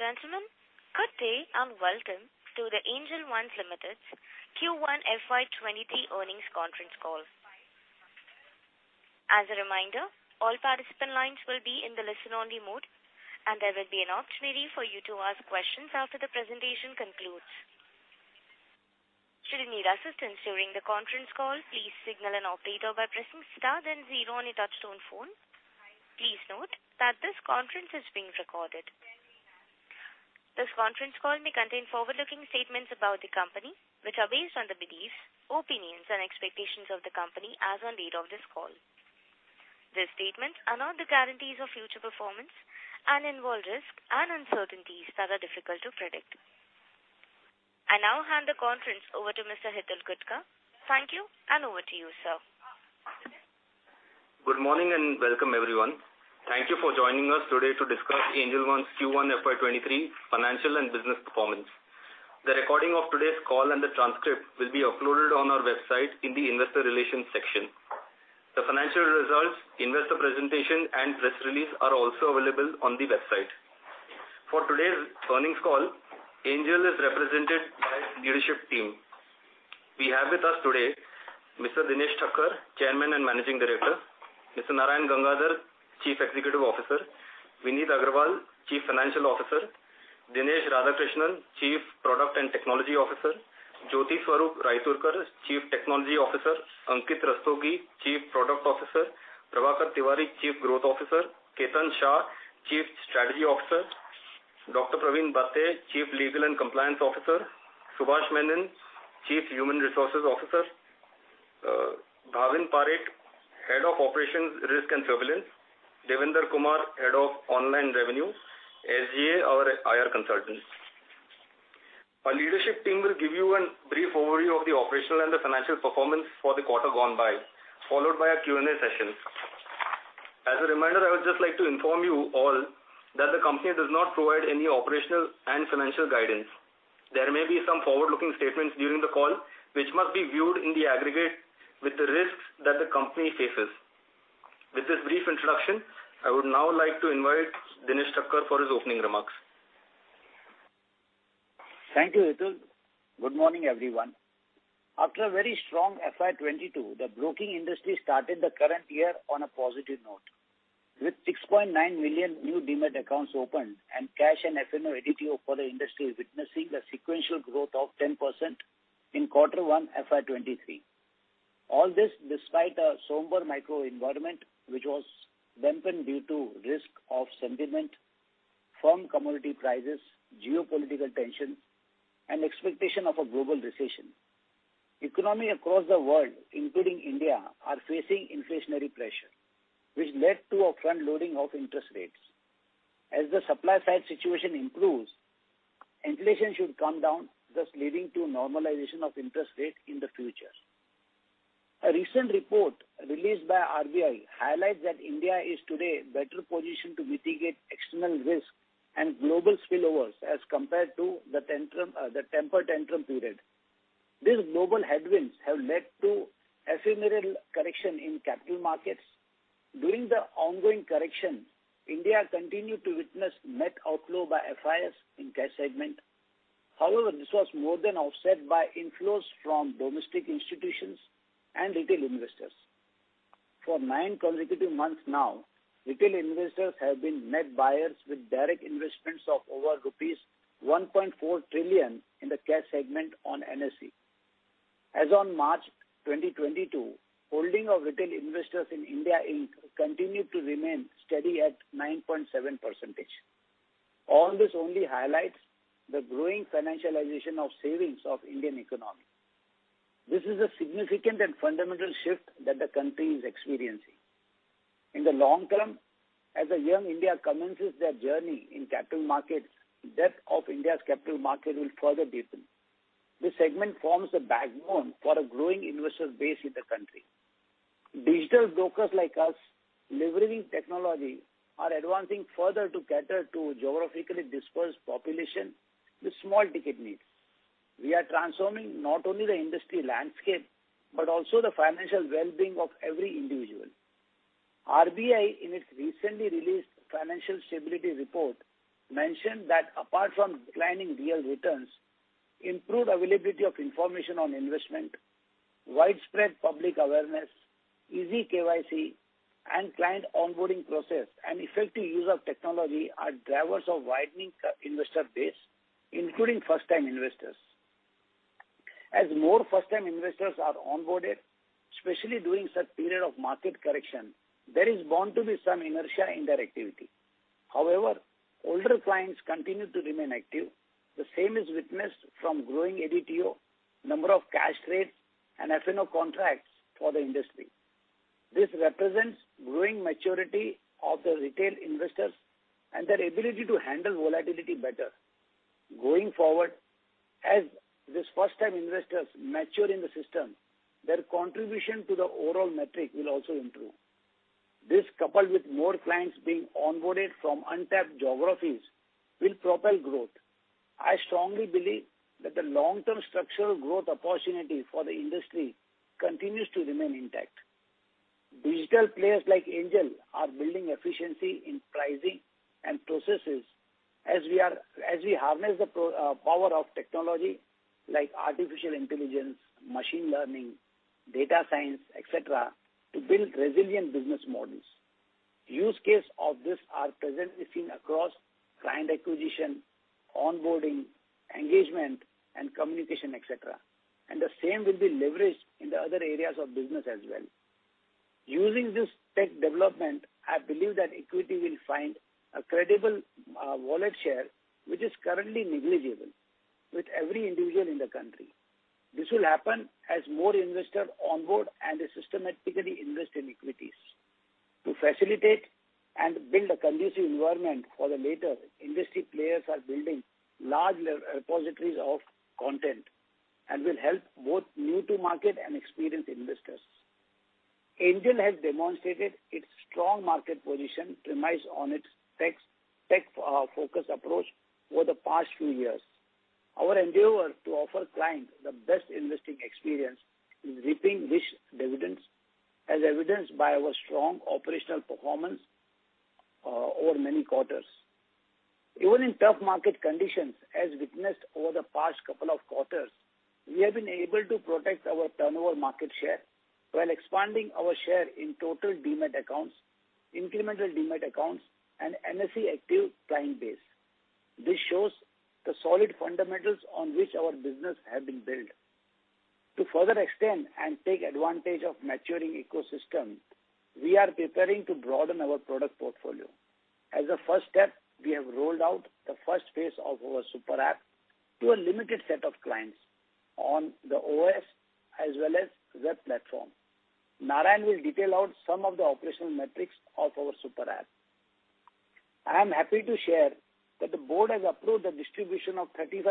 Gentlemen, good day and welcome to the Angel One Limited Q1 FY 2023 earnings conference call. As a reminder, all participant lines will be in the listen-only mode, and there will be an opportunity for you to ask questions after the presentation concludes. Should you need assistance during the conference call, please signal an operator by pressing star then zero on your touch-tone phone. Please note that this conference is being recorded. This conference call may contain forward-looking statements about the company, which are based on the beliefs, opinions, and expectations of the company as on date of this call. These statements are not the guarantees of future performance and involve risks and uncertainties that are difficult to predict. I now hand the conference over to Mr. Hitul Gutka. Thank you, and over to you, sir. Good morning and welcome, everyone. Thank you for joining us today to discuss Angel One's Q1 FY 2023 financial and business performance. The recording of today's call and the transcript will be uploaded on our website in the investor relations section. The financial results, investor presentation, and press release are also available on the website. For today's earnings call, Angel is represented by its leadership team. We have with us today, Mr. Dinesh Thakkar, Chairman and Managing Director, Mr. Narayan Gangadhar, Chief Executive Officer, Vineet Agrawal, Chief Financial Officer, Dinesh Radhakrishnan, Chief Product and Technology Officer, Jyotiswarup Raiturkar, Chief Technology Officer, Ankit Rastogi, Chief Product Officer, Prabhakar Tiwari, Chief Growth Officer, Ketan Shah, Chief Strategy Officer, Dr. Pravin Bathe, Chief Legal and Compliance Officer, Subhash Menon, Chief Human Resources Officer, Bhavin Parekh, Head of Operations, Risk and Surveillance, Devender Kumar, Head of Online Revenue, SGA, our IR consultant. Our leadership team will give you a brief overview of the operational and the financial performance for the quarter gone by, followed by a Q&A session. As a reminder, I would just like to inform you all that the company does not provide any operational and financial guidance. There may be some forward-looking statements during the call, which must be viewed in the aggregate with the risks that the company faces. With this brief introduction, I would now like to invite Dinesh Thakkar for his opening remarks. Thank you, Hitul. Good morning, everyone. After a very strong FY 2022, the broking industry started the current year on a positive note. With 6.9 million new Demat accounts opened and cash and F&O ADTO for the industry witnessing a sequential growth of 10% in Q1, FY 2023. All this despite a somber microenvironment, which was dampened due to risk of sentiment from commodity prices, geopolitical tension, and expectation of a global recession. Economy across the world, including India, are facing inflationary pressure, which led to a front-loading of interest rates. As the supply side situation improves, inflation should come down, thus leading to normalization of interest rate in the future. A recent report released by RBI highlights that India is today better positioned to mitigate external risk and global spillovers as compared to the tantrum, the temper tantrum period. These global headwinds have led to ephemeral correction in capital markets. During the ongoing correction, India continued to witness net outflow by FIIs in cash segment. However, this was more than offset by inflows from domestic institutions and retail investors. For nine consecutive months now, retail investors have been net buyers with direct investments of over rupees 1.4 trillion in the cash segment on NSE. As on March 2022, holding of retail investors in India Inc. continued to remain steady at 9.7%. All this only highlights the growing financialization of savings of Indian economy. This is a significant and fundamental shift that the country is experiencing. In the long term, as a young India commences their journey in capital markets, depth of India's capital market will further deepen. This segment forms a backbone for a growing investor base in the country. Digital brokers like us, leveraging technology, are advancing further to cater to geographically dispersed population with small ticket needs. We are transforming not only the industry landscape, but also the financial well-being of every individual. RBI, in its recently released Financial Stability Report, mentioned that apart from declining real returns, improved availability of information on investment, widespread public awareness, easy KYC and client onboarding process, and effective use of technology are drivers of widening investor base, including first-time investors. As more first-time investors are onboarded, especially during such period of market correction, there is bound to be some inertia in their activity. However, older clients continue to remain active. The same is witnessed from growing ADTO, number of cash trades, and F&O contracts for the industry. This represents growing maturity of the retail investors and their ability to handle volatility better. Going forward, as these first-time investors mature in the system, their contribution to the overall metric will also improve. This, coupled with more clients being onboarded from untapped geographies, will propel growth. I strongly believe that the long-term structural growth opportunity for the industry continues to remain intact. Digital players like Angel are building efficiency in pricing and processes as we harness the power of technology like artificial intelligence, machine learning, data science, et cetera, to build resilient business models. Use case of this are presently seen across client acquisition, onboarding, engagement and communication, et cetera. The same will be leveraged in the other areas of business as well. Using this tech development, I believe that equity will find a credible wallet share, which is currently negligible with every individual in the country. This will happen as more investors onboard and systematically invest in equities. To facilitate and build a conducive environment for the latter, industry players are building large libraries of content and will help both new to market and experienced investors. Angel has demonstrated its strong market position premised on its tech-focused approach over the past few years. Our endeavor to offer clients the best investing experience is reaping rich dividends as evidenced by our strong operational performance over many quarters. Even in tough market conditions as witnessed over the past couple of quarters, we have been able to protect our turnover market share while expanding our share in total Demat accounts, incremental Demat accounts and NSE active client base. This shows the solid fundamentals on which our business have been built. To further extend and take advantage of maturing ecosystem, we are preparing to broaden our product portfolio. As a first step, we have rolled out the first phase of our Super App to a limited set of clients on the iOS as well as web platform. Narayan will detail out some of the operational metrics of our Super App. I am happy to share that the board has approved the distribution of 35%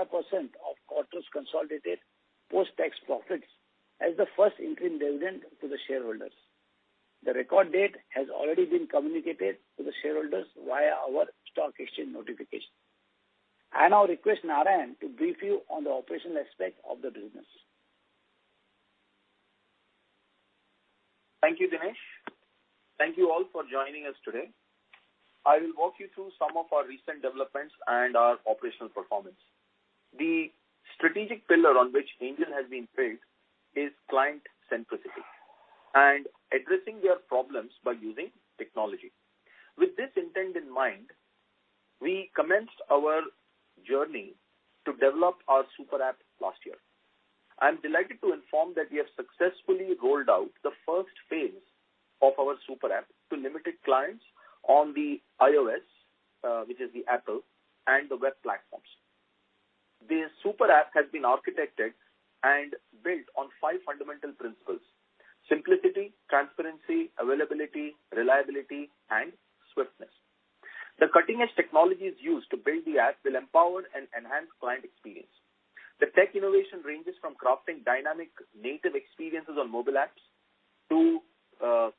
of quarter's consolidated post-tax profits as the first interim dividend to the shareholders. The record date has already been communicated to the shareholders via our stock exchange notification. I now request Narayan to brief you on the operational aspect of the business. Thank you, Dinesh. Thank you all for joining us today. I will walk you through some of our recent developments and our operational performance. The strategic pillar on which Angel has been built is client centricity and addressing their problems by using technology. With this intent in mind, we commenced our journey to develop our Super App last year. I'm delighted to inform that we have successfully rolled out the first phase of our Super App to limited clients on the iOS, which is the Apple and the web platforms. The Super App has been architected and built on five fundamental principles, simplicity, transparency, availability, reliability, and swiftness. The cutting-edge technologies used to build the app will empower and enhance client experience. The tech innovation ranges from crafting dynamic native experiences on mobile apps to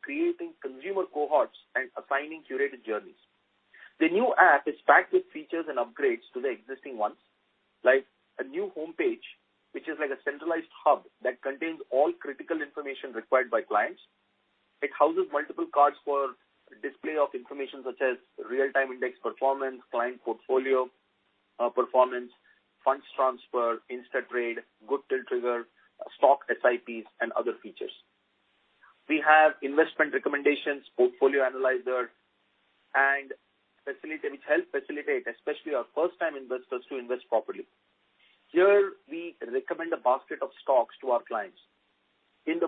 creating consumer cohorts and assigning curated journeys. The new app is packed with features and upgrades to the existing ones, like a new homepage, which is like a centralized hub that contains all critical information required by clients. It houses multiple cards for display of information such as real-time index performance, client portfolio performance, funds transfer, instant trade, good till trigger, Stock SIPs and other features. We have investment recommendations, portfolio analyzer and facility which help facilitate, especially our first time investors to invest properly. Here we recommend a basket of stocks to our clients. You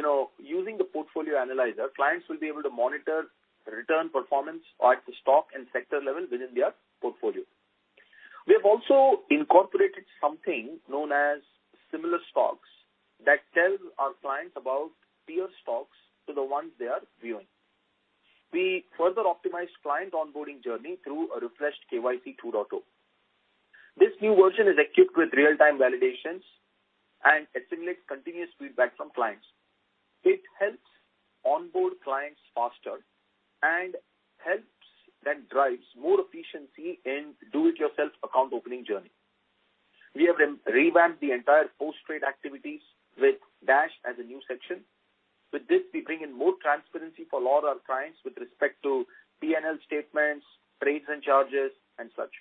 know, using the portfolio analyzer, clients will be able to monitor return performance at the stock and sector level within their portfolio. We have also incorporated something known as similar stocks that tell our clients about peer stocks to the ones they are viewing. We further optimized client onboarding journey through a refreshed KYC 2.0. This new version is equipped with real-time validations and assimilates continuous feedback from clients. It helps onboard clients faster and helps them drive more efficiency in do-it-yourself account opening journey. We have revamped the entire post-trade activities with Dash as a new section. With this, we bring in more transparency for a lot of our clients with respect to P&L statements, trades and charges and such.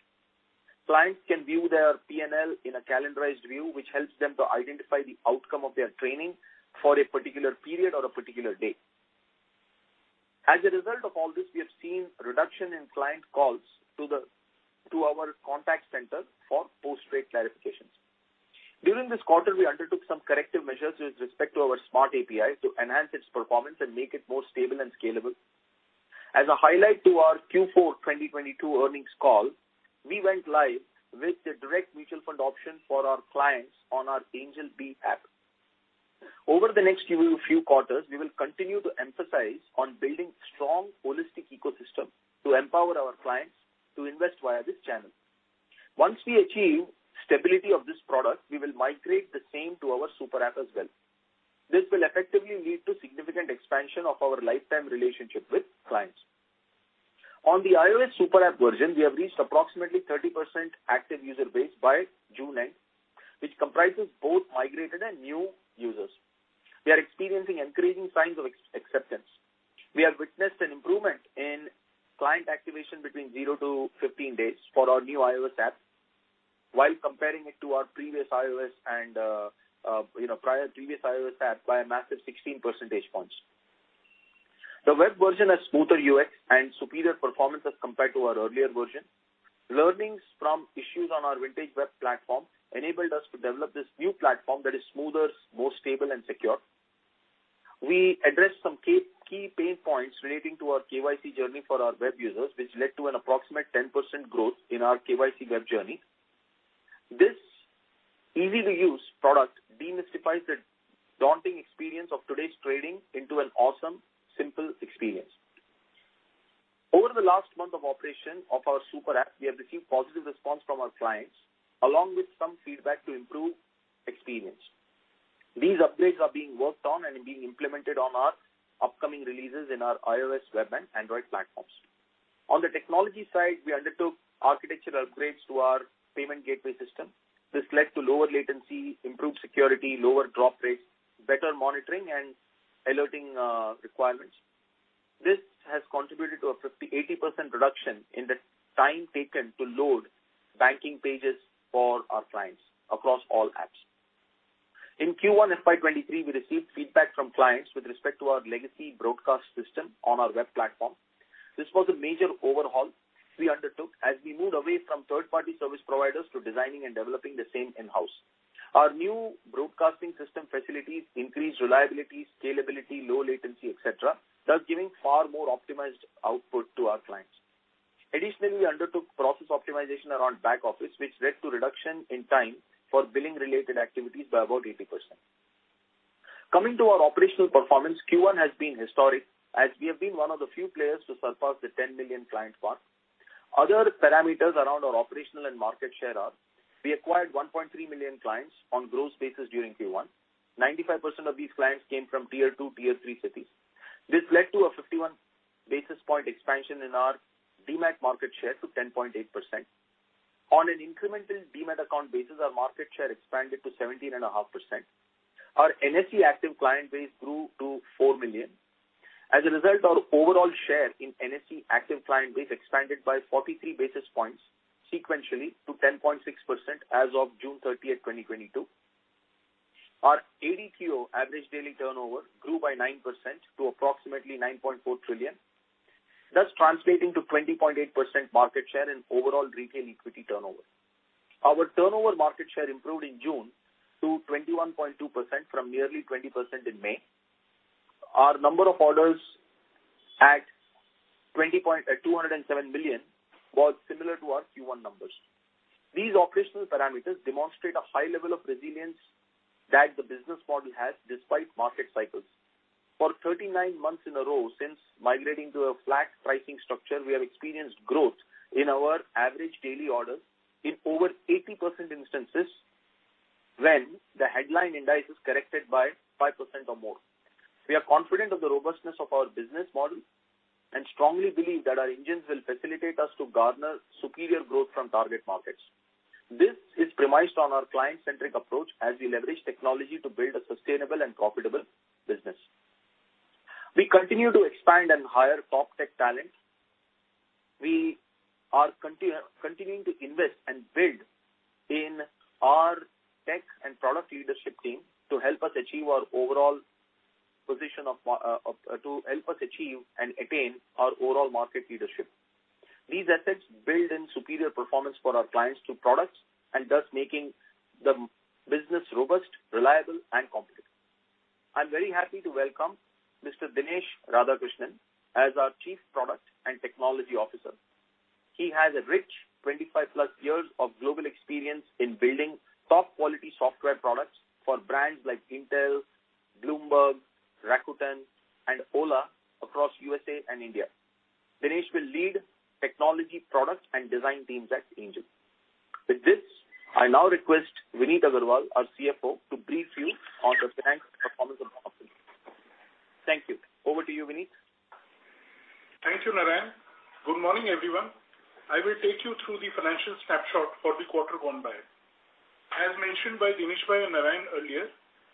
Clients can view their P&L in a calendarized view, which helps them to identify the outcome of their trading for a particular period or a particular date. As a result of all this, we have seen reduction in client calls to our contact center for post-trade clarifications. During this quarter, we undertook some corrective measures with respect to our Smart APIs to enhance its performance and make it more stable and scalable. As a highlight to our Q4 2022 earnings call, we went live with the direct mutual fund option for our clients on our Angel Bee app. Over the next few quarters, we will continue to emphasize on building strong holistic ecosystem to empower our clients to invest via this channel. Once we achieve stability of this product, we will migrate the same to our Super App as well. This will effectively lead to significant expansion of our lifetime relationship with. On the iOS Super App version, we have reached approximately 30% active user base by June 9, which comprises both migrated and new users. We are experiencing increasing signs of acceptance. We have witnessed an improvement in client activation between zero to 15 days for our new iOS app, while comparing it to our previous iOS app by a massive 16 percentage points. The web version has smoother UX and superior performance as compared to our earlier version. Learnings from issues on our vintage web platform enabled us to develop this new platform that is smoother, more stable and secure. We addressed some key pain points relating to our KYC journey for our web users, which led to an approximate 10% growth in our KYC web journey. This easy-to-use product demystifies the daunting experience of today's trading into an awesome, simple experience. Over the last month of operation of our Super App, we have received positive response from our clients, along with some feedback to improve experience. These updates are being worked on and being implemented on our upcoming releases in our iOS web and Android platforms. On the technology side, we undertook architectural upgrades to our payment gateway system. This led to lower latency, improved security, lower drop rates, better monitoring and alerting requirements. This has contributed to an 80% reduction in the time taken to load banking pages for our clients across all apps. In Q1 FY 2023, we received feedback from clients with respect to our legacy broadcast system on our web platform. This was a major overhaul we undertook as we moved away from third-party service providers to designing and developing the same in-house. Our new broadcasting system facilitates increased reliability, scalability, low latency, et cetera, thus giving far more optimized output to our clients. Additionally, we undertook process optimization around back office, which led to reduction in time for billing-related activities by about 80%. Coming to our operational performance, Q1 has been historic as we have been one of the few players to surpass the 10 million client mark. Other parameters around our operational and market share are. We acquired 1.3 million clients on gross basis during Q1. 95% of these clients came from Tier 2, Tier 3 cities. This led to a 51-basis point expansion in our Demat market share to 10.8%. On an incremental Demat account basis, our market share expanded to 17.5%. Our NSE active client base grew to 4 million. As a result, our overall share in NSE active client base expanded by 43 basis points sequentially to 10.6% as of June 30, 2022. Our ADTO, average daily turnover, grew by 9% to approximately 9.4 trillion, thus translating to 20.8% market share in overall retail equity turnover. Our turnover market share improved in June to 21.2% from nearly 20% in May. Our number of orders at 207 million was similar to our Q1 numbers. These operational parameters demonstrate a high level of resilience that the business model has despite market cycles. For 39 months in a row since migrating to a flat pricing structure, we have experienced growth in our average daily orders in over 80% instances when the headline indices corrected by 5% or more. We are confident of the robustness of our business model and strongly believe that our engines will facilitate us to garner superior growth from target markets. This is premised on our client-centric approach as we leverage technology to build a sustainable and profitable business. We continue to expand and hire top tech talent. We are continuing to invest and build in our tech and product leadership team to help us achieve and attain our overall market leadership. These assets build in superior performance for our clients through products and thus making the business robust, reliable and competitive. I'm very happy to welcome Mr. Dinesh Radhakrishnan as our Chief Product and Technology Officer. He has a rich 25+ years of global experience in building top quality software products for brands like Intel, Bloomberg, Rakuten and Ola across USA and India. Dinesh will lead technology products and design teams at Angel. With this, I now request Vineet Agrawal, our CFO, to brief you on the financial performance of our company. Thank you. Over to you, Vineet. Thank you, Narayan. Good morning, everyone. I will take you through the financial snapshot for the quarter gone by. As mentioned by Dinesh Bhai and Narayan earlier,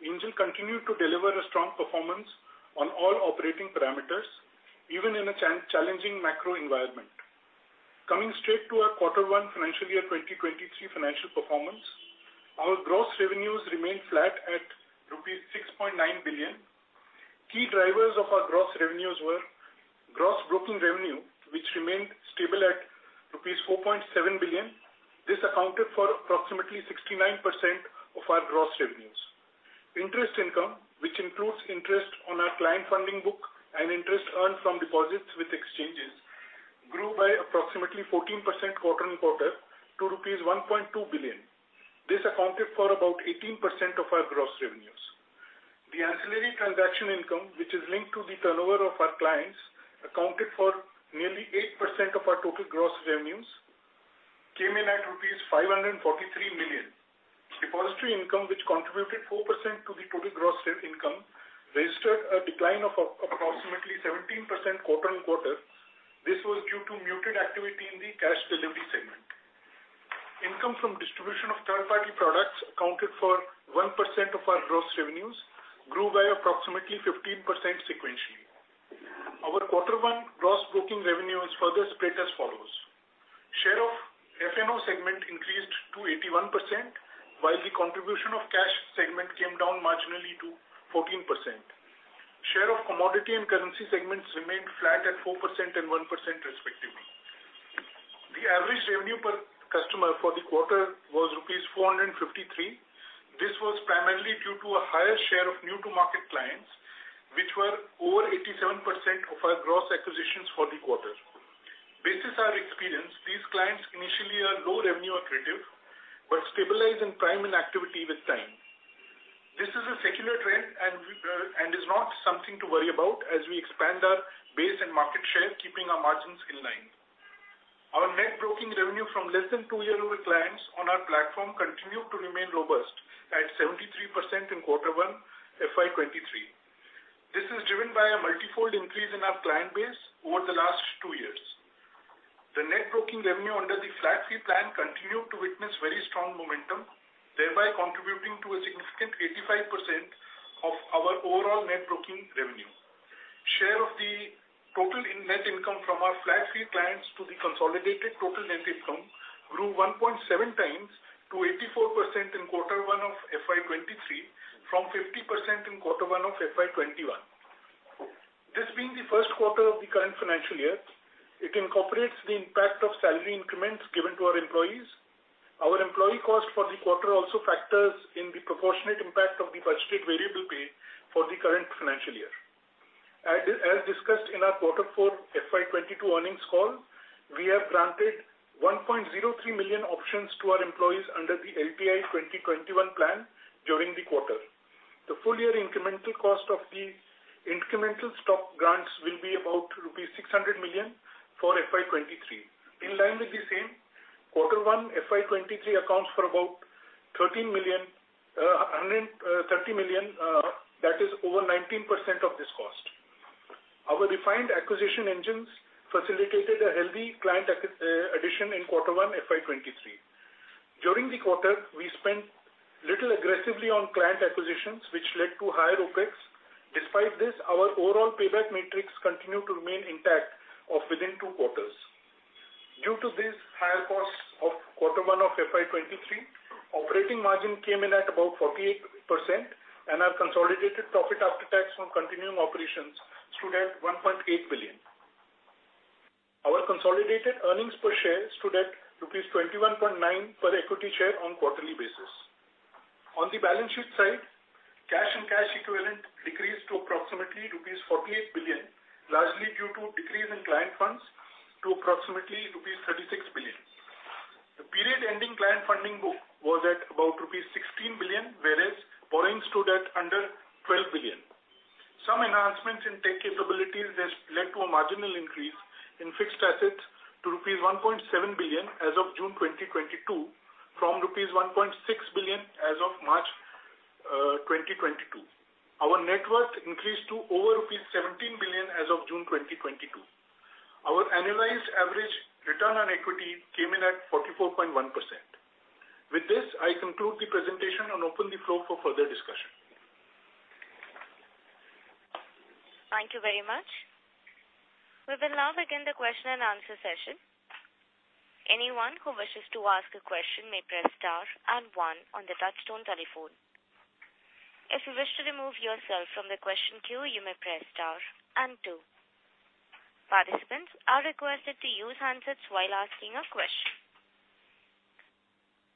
Angel continued to deliver a strong performance on all operating parameters, even in a challenging macro environment. Coming straight to our Q1 financial year 2023 financial performance, our gross revenues remained flat at rupees 6.9 billion. Key drivers of our gross revenues were gross broking revenue, which remained stable at rupees 4.7 billion. This accounted for approximately 69% of our gross revenues. Interest income, which includes interest on our client funding book and interest earned from deposits with exchanges, grew by approximately 14% quarter-on-quarter to rupees 1.2 billion. This accounted for about 18% of our gross revenues. The ancillary transaction income, which is linked to the turnover of our clients, accounted for nearly 8% of our total gross revenues. Came in at rupees 543 million. Depository income, which contributed 4% to the total gross income, registered a decline of approximately 17% quarter-over-quarter. This was due to muted activity in the cash delivery segment. Income from distribution of third-party products accounted for 1% of our gross revenues, grew by approximately 15% sequentially. Our Q1 gross broking revenue is further split as follows: Share of F&O segment increased to 81%, while the contribution of cash segment came down marginally to 14%. Share of commodity and currency segments remained flat at 4% and 1% respectively. The average revenue per customer for the quarter was rupees 453. This was primarily due to a higher share of new-to-market clients, which were over 87% of our gross acquisitions for the quarter. Based on our experience, these clients initially are low revenue accretive but stabilize in prime and activity with time. This is a secular trend and is not something to worry about as we expand our base and market share, keeping our margins in line. Our net broking revenue from less than two year-over clients on our platform continued to remain robust at 73% in Q1 FY 2023. This is driven by a multi-fold increase in our client base over the last two years. The net broking revenue under the flat fee plan continued to witness very strong momentum, thereby contributing to a significant 85% of our overall net broking revenue. Share of the total net income from our flat fee clients to the consolidated total net income grew 1.7x to 84% in Q1 of FY 2023 from 50% in Q1 of FY 2021. This being the first quarter of the current financial year, it incorporates the impact of salary increments given to our employees. Our employee cost for the quarter also factors in the proportionate impact of the budgeted variable pay for the current financial year. As discussed in our Q4 FY 2022 earnings call, we have granted 1.03 million options to our employees under the ESOP 2021 plan during the quarter. The full year incremental cost of the incremental stock grants will be about rupees 600 million for FY 2023. In line with the same, Q1 FY 2023 accounts for about 130 million, that is over 19% of this cost. Our refined acquisition engines facilitated a healthy client addition in Q1 FY 2023. During the quarter, we spent a little aggressively on client acquisitions, which led to higher OpEx. Despite this, our overall payback matrix continued to remain intact within two quarters. Due to this higher cost of Q1 FY 2023, operating margin came in at about 48% and our consolidated profit after tax from continuing operations stood at 1.8 billion. Our consolidated earnings per share stood at INR 21.9 per equity share on quarterly basis. On the balance sheet side, cash and cash equivalent decreased to approximately rupees 48 billion, largely due to decrease in client funds to approximately rupees 36 billion. The period ending client funding book was at about rupees 16 billion, whereas borrowings stood at under 12 billion. Some enhancements in tech capabilities has led to a marginal increase in fixed assets to rupees 1.7 billion as of June 2022, from rupees 1.6 billion as of March 2022. Our net worth increased to over rupees 17 billion as of June 2022. Our annualized average return on equity came in at 44.1%. With this, I conclude the presentation and open the floor for further discussion. Thank you very much. We will now begin the question- and-answer session. Anyone who wishes to ask a question may press star and one on the touchtone telephone. If you wish to remove yourself from the question queue, you may press star and two. Participants are requested to use handsets while asking a question.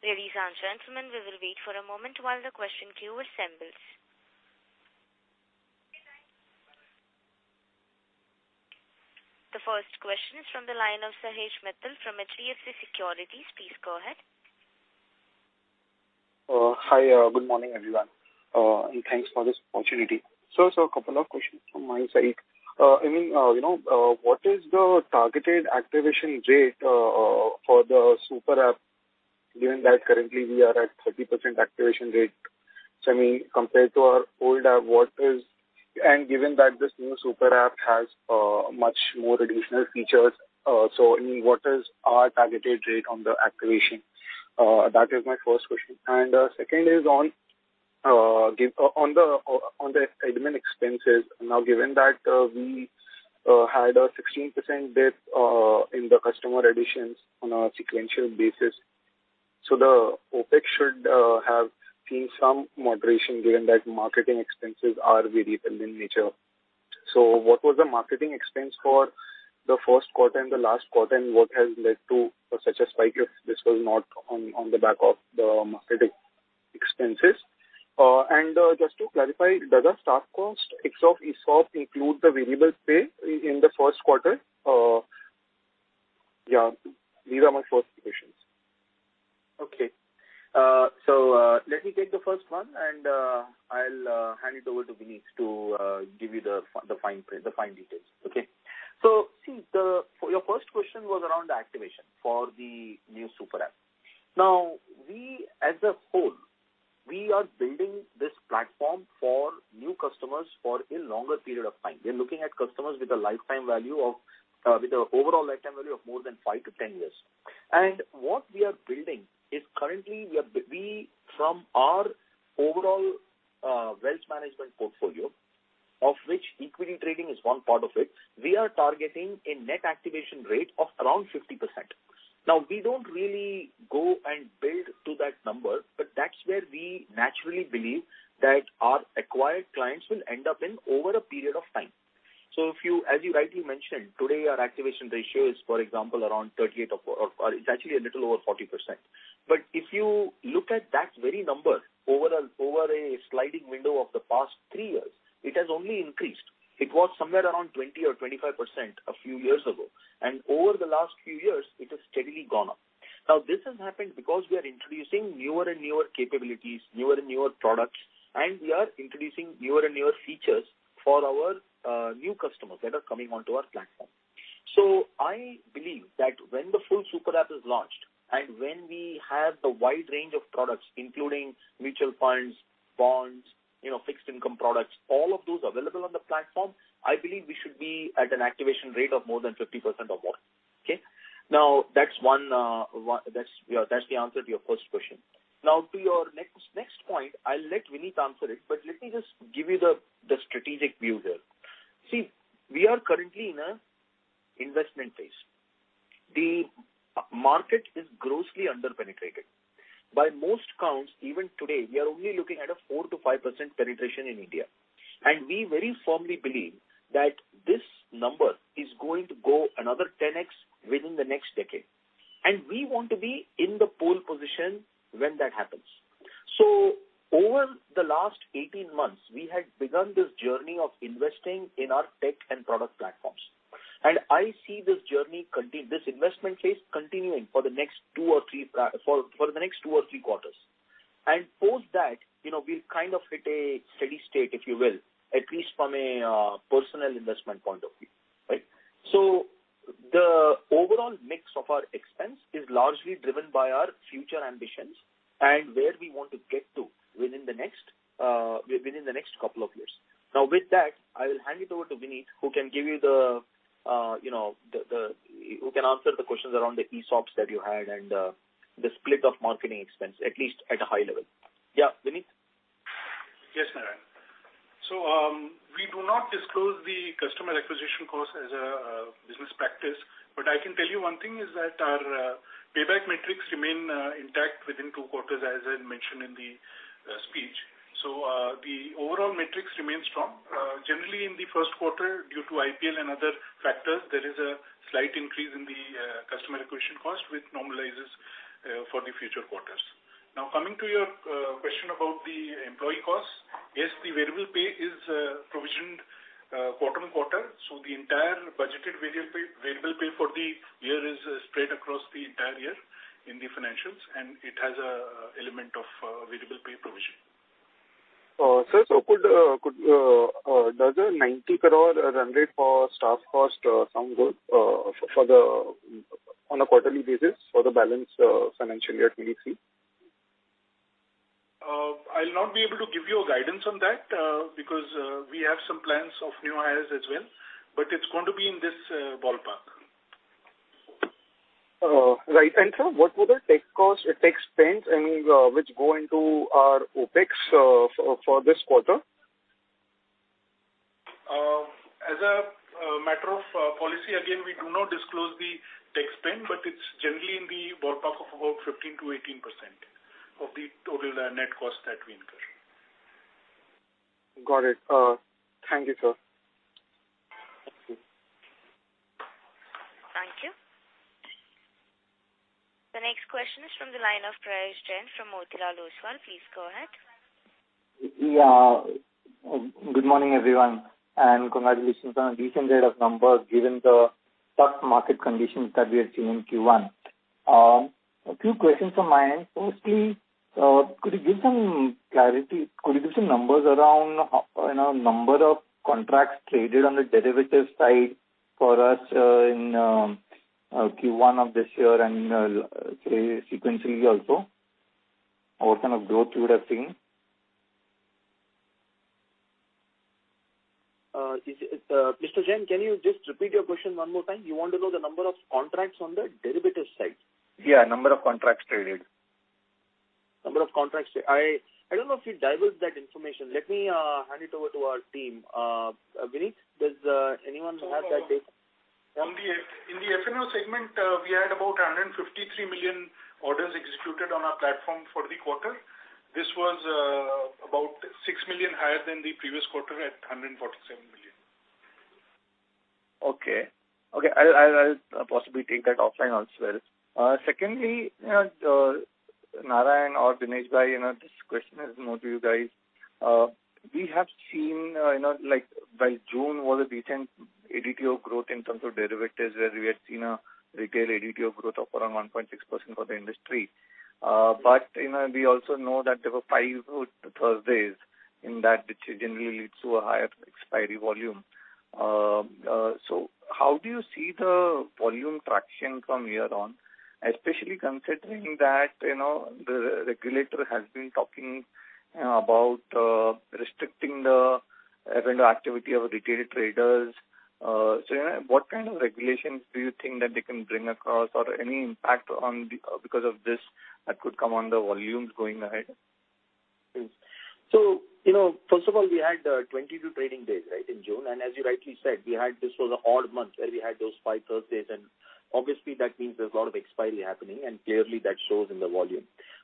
Ladies and gentlemen, we will wait for a moment while the question queue assembles. The first question is from the line of Sahej Mittal from HDFC Securities. Please go ahead. Hi. Good morning, everyone, and thanks for this opportunity. A couple of questions from my side. I mean, you know, what is the targeted activation rate for the Super App, given that currently we are at 30% activation rate? I mean, compared to our old app, given that this new Super App has much more additional features, I mean, what is our targeted rate on the activation? That is my first question. Second is on the admin expenses. Now, given that we had a 16% dip in the customer additions on a sequential basis. The OpEx should have seen some moderation given that marketing expenses are very dependent in nature. What was the marketing expense for the Q1 and the last quarter, and what has led to such a spike if this was not on the back of the marketing expenses? And just to clarify, does the staff cost, ex of ESOP, include the variable pay in the Q1? Yeah, these are my first questions. Okay. Let me take the first one, and I'll hand it over to Vineet to give you the fine print, the fine details. Okay. See, your first question was around the activation for the new Super App. Now, we as a whole, we are building this platform for new customers for a longer period of time. We are looking at customers with a lifetime value of, with an overall lifetime value of more than five to 10 years. What we are building is currently we from our overall wealth management portfolio, of which equity trading is one part of it, we are targeting a net activation rate of around 50%. Now, we don't really go and build to that number, but that's where we naturally believe that our acquired clients will end up in over a period of time. As you rightly mentioned, today, our activation ratio is, for example, around 38% or it's actually a little over 40%. But if you look at that very number over a sliding window of the past three years, it has only increased. It was somewhere around 20% or 25% a few years ago, and over the last few years it has steadily gone up. Now, this has happened because we are introducing newer and newer capabilities, newer and newer products, and we are introducing newer and newer features for our new customers that are coming onto our platform. I believe that when the full Super App is launched and when we have the wide range of products, including mutual funds, bonds, you know, fixed income products, all of those available on the platform, I believe we should be at an activation rate of more than 50% or more. Okay. Now that's the answer to your first question. Now to your next point, I'll let Vineet answer it but let me just give you the strategic view here. See, we are currently in an investment phase. The market is grossly under-penetrated. By most counts, even today, we are only looking at a 4%-5% penetration in India. We very firmly believe that this number is going to go another 10x within the next decade. We want to be in the pole position when that happens. Over the last 18 months, we had begun this journey of investing in our tech and product platforms. I see this investment phase continuing for the next two or three quarters. Post that, you know, we'll kind of hit a steady state, if you will, at least from a personal investment point of view, right? The overall mix of our expense is largely driven by our future ambitions and where we want to get to within the next couple of years. Now, with that, I will hand it over to Vineet, who can give you the, you know. Who can answer the questions around the ESOPs that you had and, the split of marketing expense, at least at a high level. Yeah, Vineet. Yes, Narayan. We do not disclose the customer acquisition cost as a business practice. I can tell you one thing is that our payback metrics remain intact within two quarters, as I mentioned in the speech. The overall metrics remain strong. Generally, in the Q1, due to IPL and other factors, there is a slight increase in the customer acquisition cost, which normalizes for the future quarters. Now, coming to your question about the employee costs, yes, the variable pay is provisioned quarter-on-quarter, so the entire budgeted variable pay for the year is spread across the entire year in the financials, and it has an element of variable pay provision. Sir, does a 90 crore run rate for staff cost sound good on a quarterly basis for the balance financial year 2023? I'll not be able to give you a guidance on that, because we have some plans of new hires as well, but it's going to be in this ballpark. Right. Sir, what were the tech costs or tech spends, and which go into our OpEx for this quarter? As a matter of policy, again, we do not disclose the tech spend, but it's generally in the ballpark of about 15%-18% of the total net cost that we incur. Got it. Thank you, sir. Thank you. Thank you. The next question is from the line of Prayesh Jain from Motilal Oswal. Please go ahead. Yeah. Good morning, everyone, and congratulations on a decent set of numbers given the tough market conditions that we are seeing in Q1. A few questions from my end. Firstly, could you give some numbers around, you know, number of contracts traded on the derivatives side for us in Q1 of this year and, say, sequentially also, what kind of growth you would have seen? Mr. Jain, can you just repeat your question one more time? You want to know the number of contracts on the derivatives side? Yeah, number of contracts traded. Number of contracts. I don't know if we divulge that information. Let me hand it over to our team. Vineet, does anyone have that data? In the F&O segment, we had about 153 million orders executed on our platform for the quarter. This was about six million higher than the previous quarter at 147 million. Okay, I'll possibly take that offline as well. Secondly, you know, Narayan or Dinesh, you know, this question is more to you guys. We have seen, you know, like by June was a decent ADTO growth in terms of derivatives, where we have seen a retail ADTO growth of around 1.6% for the industry. You know, we also know that there were five good Thursdays in that, which generally leads to a higher expiry volume. How do you see the volume traction from here on, especially considering that, you know, the regulator has been talking about restricting the F&O activity of retail traders, so, you know, what kind of regulations do you think that they can bring across or any impact because of this that could come on the volumes going ahead? You know, first of all, we had 22 trading days, right, in June. As you rightly said, this was an odd month where we had those five Thursdays. Obviously, that means there's a lot of expiry happening and clearly that shows in the volume.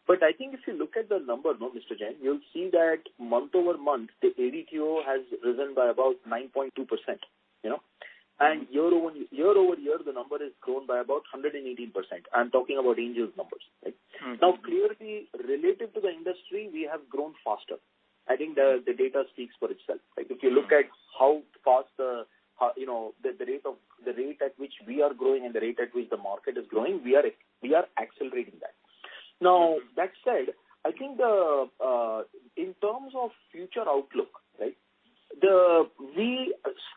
I think if you look at the number, no, Mr. Jain, you'll see that month-over-month, the ADTO has risen by about 9.2%, you know. Year-over-year, the number has grown by about 118%. I'm talking about Angel's numbers, right? Mm-hmm. Now, clearly, related to the industry, we have grown faster. I think the data speaks for itself, right? If you look at how fast the rate at which we are growing and the rate at which the market is growing, we are accelerating that. Now, that said, I think in terms of future outlook, right, we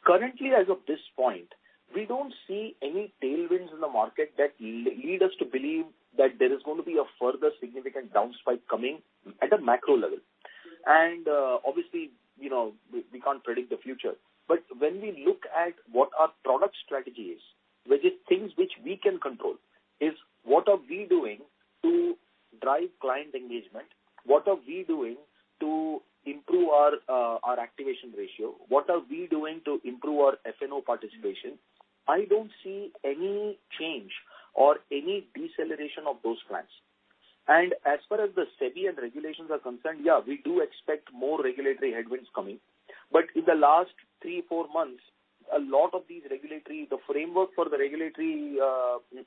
currently, as of this point, we don't see any tailwinds in the market that lead us to believe that there is gonna be a further significant down spike coming at a macro level. Obviously, we can't predict the future. When we look at what our product strategy is, which is things which we can control, is what are we doing to drive client engagement? What are we doing to improve our activation ratio? What are we doing to improve our F&O participation? I don't see any change or any deceleration of those plans. As far as the SEBI and regulations are concerned, yeah, we do expect more regulatory headwinds coming. In the last three to four months, a lot of these regulatory, the framework for the regulatory,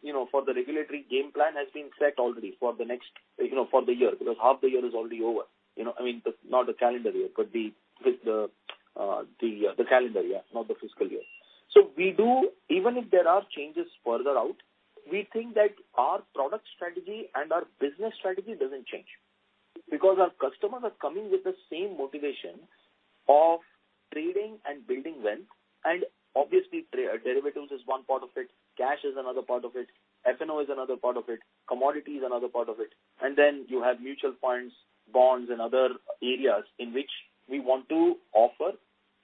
you know, for the regulatory game plan has been set already for the next, you know, for the year. Because half the year is already over, you know. I mean, not the calendar year, but the fiscal year. Even if there are changes further out, we think that our product strategy and our business strategy doesn't change. Because our customers are coming with the same motivation of trading and building wealth, and obviously derivatives is one part of it, cash is another part of it, F&O is another part of it, commodity is another part of it, and then you have mutual funds, bonds and other areas in which we want to offer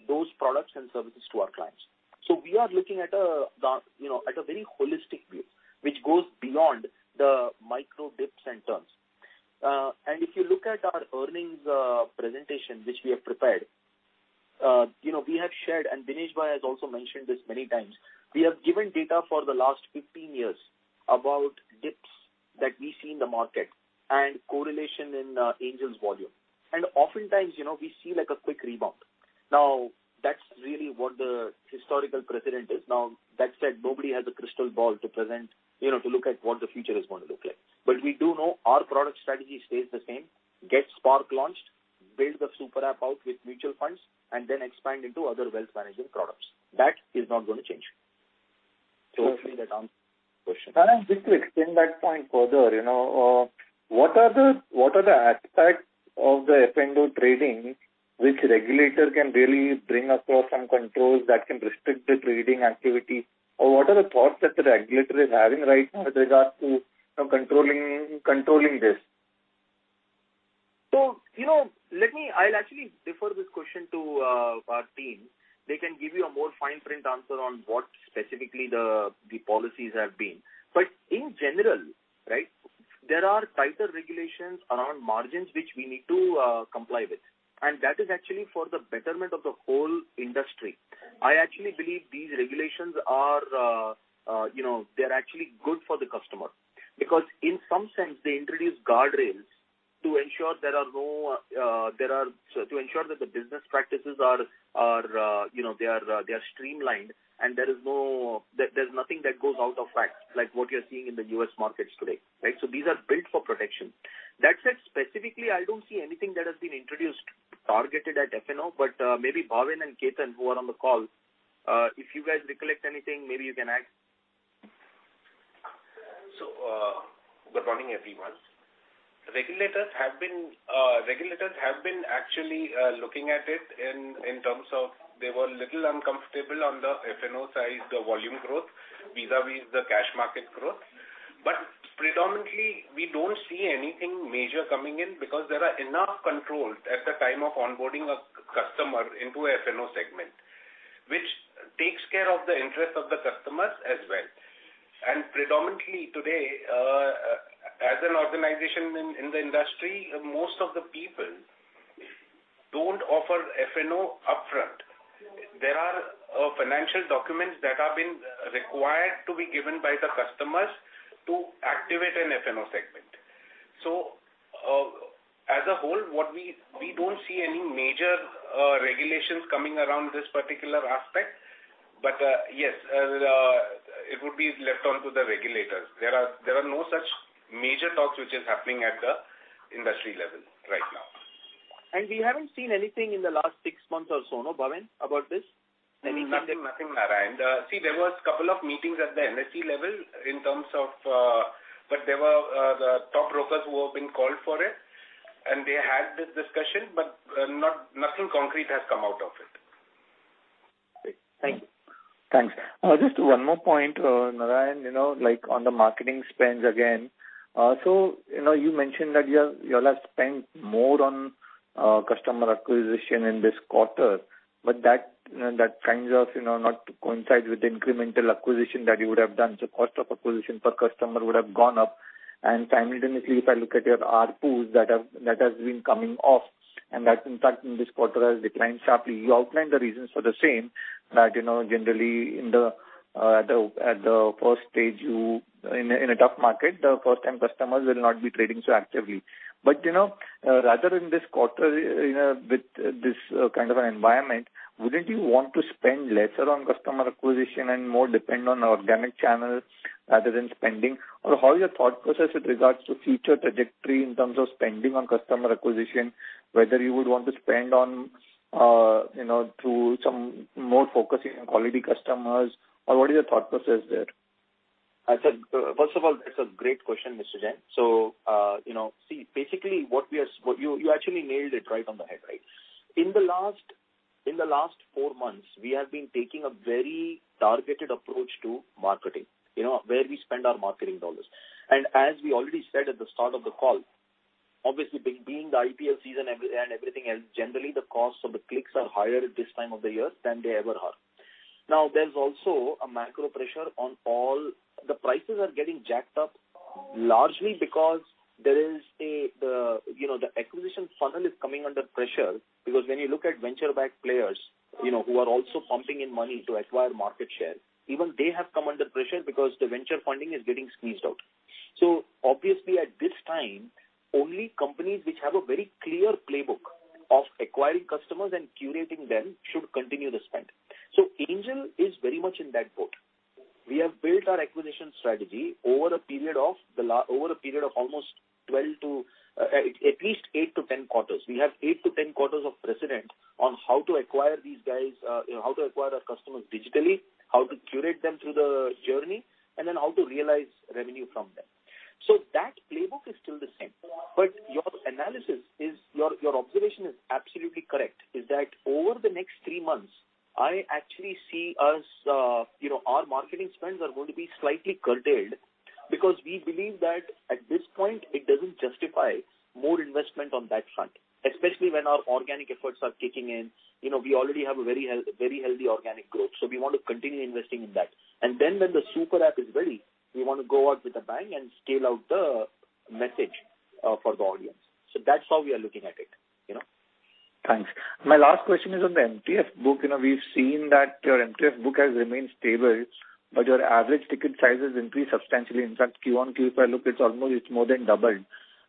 those products and services to our clients. We are looking at, you know at a very holistic view, which goes beyond the micro dips and turns. If you look at our earnings presentation, which we have prepared you know we have shared, and Dinesh Bhai has also mentioned these many times. We have given data for the last 15 years about dips that we see in the market and correlation in Angel's volume. Oftentimes you know we see like a quick rebound. Now, that's really what the historical precedent is. Now, that said, nobody has a crystal ball to present, you know, to look at what the future is going to look like. We do know our product strategy stays the same. Get Spark launched, build the Super App out with mutual funds, and then expand into other wealth management products. That is not going to change. Hopefully that answers your question. Just to extend that point further, you know, what are the aspects of the F&O trading which regulators can really bring across some controls that can restrict the trading activity? Or what are the thoughts that the regulator is having right now with regards to, you know, controlling this? You know, let me actually defer this question to our team. They can give you a more fine print answer on what specifically the policies have been. In general, right, there are tighter regulations around margins which we need to comply with, and that is actually for the betterment of the whole industry. I actually believe these regulations are, you know, they're actually good for the customer. Because in some sense they introduce guardrails to ensure that the business practices are streamlined and there's nothing that goes out of whack, like what you're seeing in the U.S. markets today, right? These are built for protection. That said, specifically, I don't see anything that has been introduced targeted at F&O, but maybe Bhavin and Ketan, who are on the call, if you guys recollect anything, maybe you can add. Good morning, everyone. Regulators have been actually looking at it in terms of they were a little uncomfortable on the F&O size, the volume growth vis-à-vis the cash market growth. Predominantly, we don't see anything major coming in because there are enough controls at the time of onboarding a customer into F&O segment, which takes care of the interest of the customers as well. Predominantly today, as an organization in the industry, most of the people don't offer F&O upfront. There are financial documents that have been required to be given by the customers to activate an F&O segment. As a whole, we don't see any major regulations coming around this particular aspect. It would be left up to the regulators. There are no such major talks which is happening at the industry level right now. We haven't seen anything in the last six months or so, no, Bhavin, about this? Nothing, Narayan. See, there was a couple of meetings at the NSE level in terms of. There were the top brokers who have been called for it, and they had this discussion, nothing concrete has come out of it. Great. Thank you. Thanks. Just one more point, Narayan, you know, like, on the marketing spends again. You know, you mentioned that you all have spent more on customer acquisition in this quarter, but the trend has not coincided with the incremental acquisition that you would have done. Cost of acquisition per customer would have gone up. Simultaneously, if I look at your ARPU, that has been coming off, and that in fact in this quarter has declined sharply. You outlined the reasons for the same, that you know, generally in the first stage, in a tough market, the first-time customers will not be trading so actively. you know, rather in this quarter, you know, with this kind of an environment, wouldn't you want to spend lesser on customer acquisition and more depend on organic channels rather than spending? Or how is your thought process with regards to future trajectory in terms of spending on customer acquisition, whether you would want to spend on, you know, through some more focusing on quality customers? Or what is your thought process there? I said, first of all, that's a great question, Mr. Jain. So, you know, see, basically what you actually nailed it right on the head, right? In the last four months, we have been taking a very targeted approach to marketing, you know, where we spend our marketing dollars. As we already said at the start of the call, obviously being the IPL season and everything else, generally the costs of the clicks are higher at this time of the year than they ever are. Now, there's also a macro pressure on all. The prices are getting jacked up largely because there is, you know, the acquisition funnel is coming under pressure because when you look at venture backed players, you know, who are also pumping in money to acquire market share, even they have come under pressure because the venture funding is getting squeezed out. Obviously at this time, only companies which have a very clear playbook of acquiring customers and curating them should continue to spend. Angel is very much in that boat. We have built our acquisition strategy over a period of almost 12 to at least eight to 10 quarters. We have eight to 10 quarters of precedent on how to acquire these guys, how to acquire our customers digitally, how to curate them through the journey, and then how to realize revenue from them. That playbook is still the same. But your observation is absolutely correct, is that over the next three months, I actually see us, you know, our marketing spends are going to be slightly curtailed because we believe that at this point it doesn't justify more investment on that front, especially when our organic efforts are kicking in. You know, we already have a very healthy organic growth, so we want to continue investing in that. Then when the Super App is ready, we wanna go out with a bang and scale out the message for the audience. That's how we are looking at it, you know. Thanks. My last question is on the MTF book. You know, we've seen that your MTF book has remained stable, but your average ticket sizes increased substantially. In fact, QoQ, if I look, it's almost, it's more than doubled.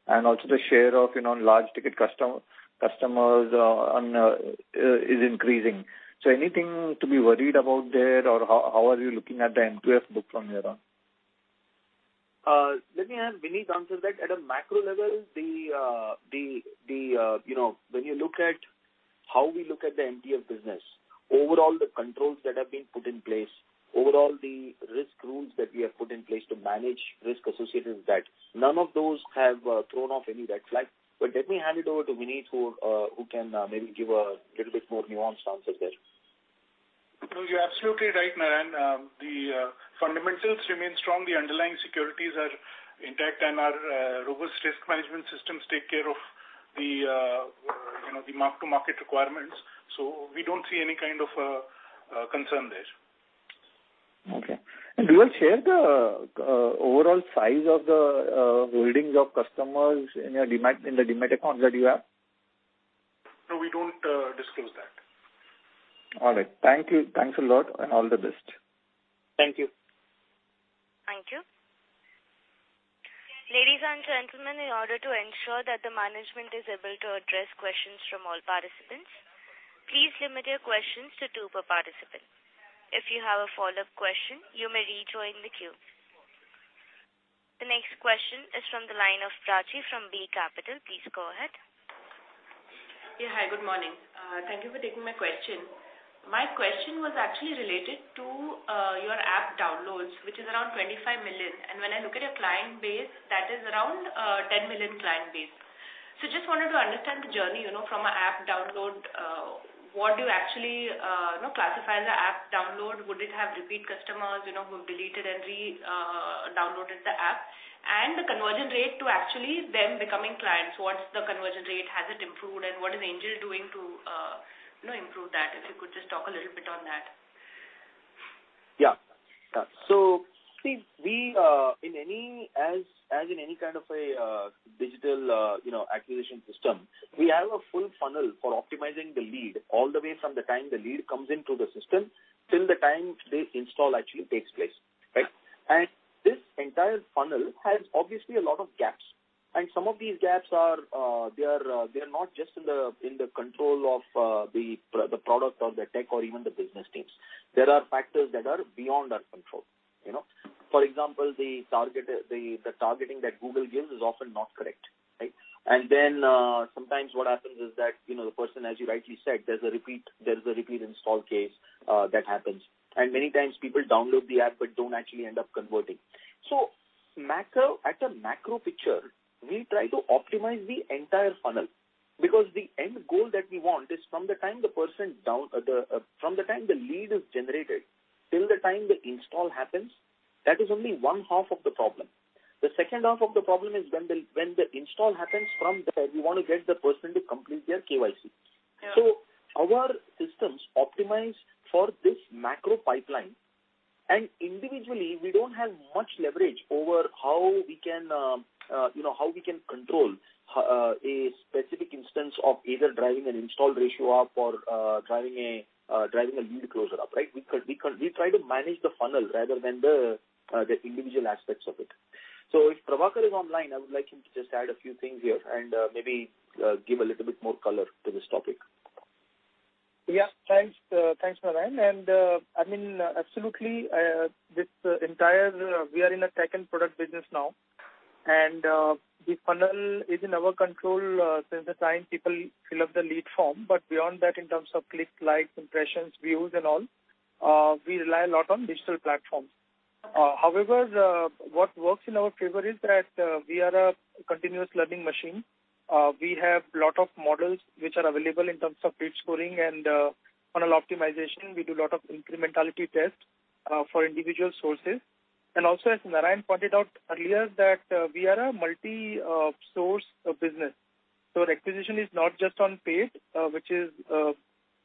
Also, the share of, you know, large ticket customers is increasing. Anything to be worried about there? Or how are you looking at the MTF book from here on? Let me have Vineet answer that. At a macro level, you know, when you look at how we look at the MTF business, overall, the controls that have been put in place, overall, the risk rules that we have put in place to manage risk associated with that, none of those have thrown off any red flag. Let me hand it over to Vineet, who can maybe give a little bit more nuanced answer there. No, you're absolutely right, Narayan. The fundamentals remain strong. The underlying securities are intact, and our robust risk management systems take care of the, you know, the mark-to-market requirements. We don't see any kind of concern there. Okay. Do you all share the overall size of the holdings of customers in your Demat, in the Demat accounts that you have? No, we don't disclose that. All right. Thank you. Thanks a lot, and all the best. Thank you. Thank you. Ladies and gentlemen, in order to ensure that the management is able to address questions from all participants, please limit your questions to two per participant. If you have a follow-up question, you may rejoin the queue. The next question is from the line of Prachi from B Capital. Please go ahead. Yeah. Hi, good morning. Thank you for taking my question. My question was actually related to your app downloads, which is around 25 million. When I look at your client base, that is around 10 million client base. Just wanted to understand the journey, you know, from an app download. What do you actually, you know, classify as an app download? Would it have repeat customers, you know, who deleted and redownloaded the app? The conversion rate to actually them becoming clients, what's the conversion rate? Has it improved? What is Angel doing to, you know, improve that? If you could just talk a little bit on that. As in any kind of a digital you know acquisition system, we have a full funnel for optimizing the lead all the way from the time the lead comes into the system till the time the install actually takes place, right? This entire funnel has obviously a lot of gaps. Some of these gaps are they are not just in the control of the product or the tech or even the business teams. There are factors that are beyond our control, you know. For example, the targeting that Google gives is often not correct, right? Sometimes what happens is that you know the person as you rightly said there's a repeat install case that happens. Many times people download the app but don't actually end up converting. At a macro picture, we try to optimize the entire funnel because the end goal that we want is from the time the lead is generated till the time the install happens, that is only one half of the problem. The second half of the problem is when the install happens from there, we wanna get the person to complete their KYC. Yeah. Our systems optimize for this macro pipeline, and individually we don't have much leverage over how we can, you know, how we can control a specific instance of either driving an install ratio up or driving a lead closure up, right? We try to manage the funnel rather than the individual aspects of it. If Prabhakar is online, I would like him to just add a few things here and maybe give a little bit more color to this topic. Yeah, thanks, Narayan. I mean, absolutely, this entire, we are in a tech and product business now, and, the funnel is in our control, since the time people fill up the lead form. Beyond that, in terms of clicks, likes, impressions, views and all, we rely a lot on digital platforms. However, the, what works in our favor is that we are a continuous learning machine. We have lot of models which are available in terms of lead scoring and, funnel optimization. We do a lot of incrementality tests, for individual sources. Also, as Narayan pointed out earlier, that, we are a multi, source of business. Our acquisition is not just on paid, which is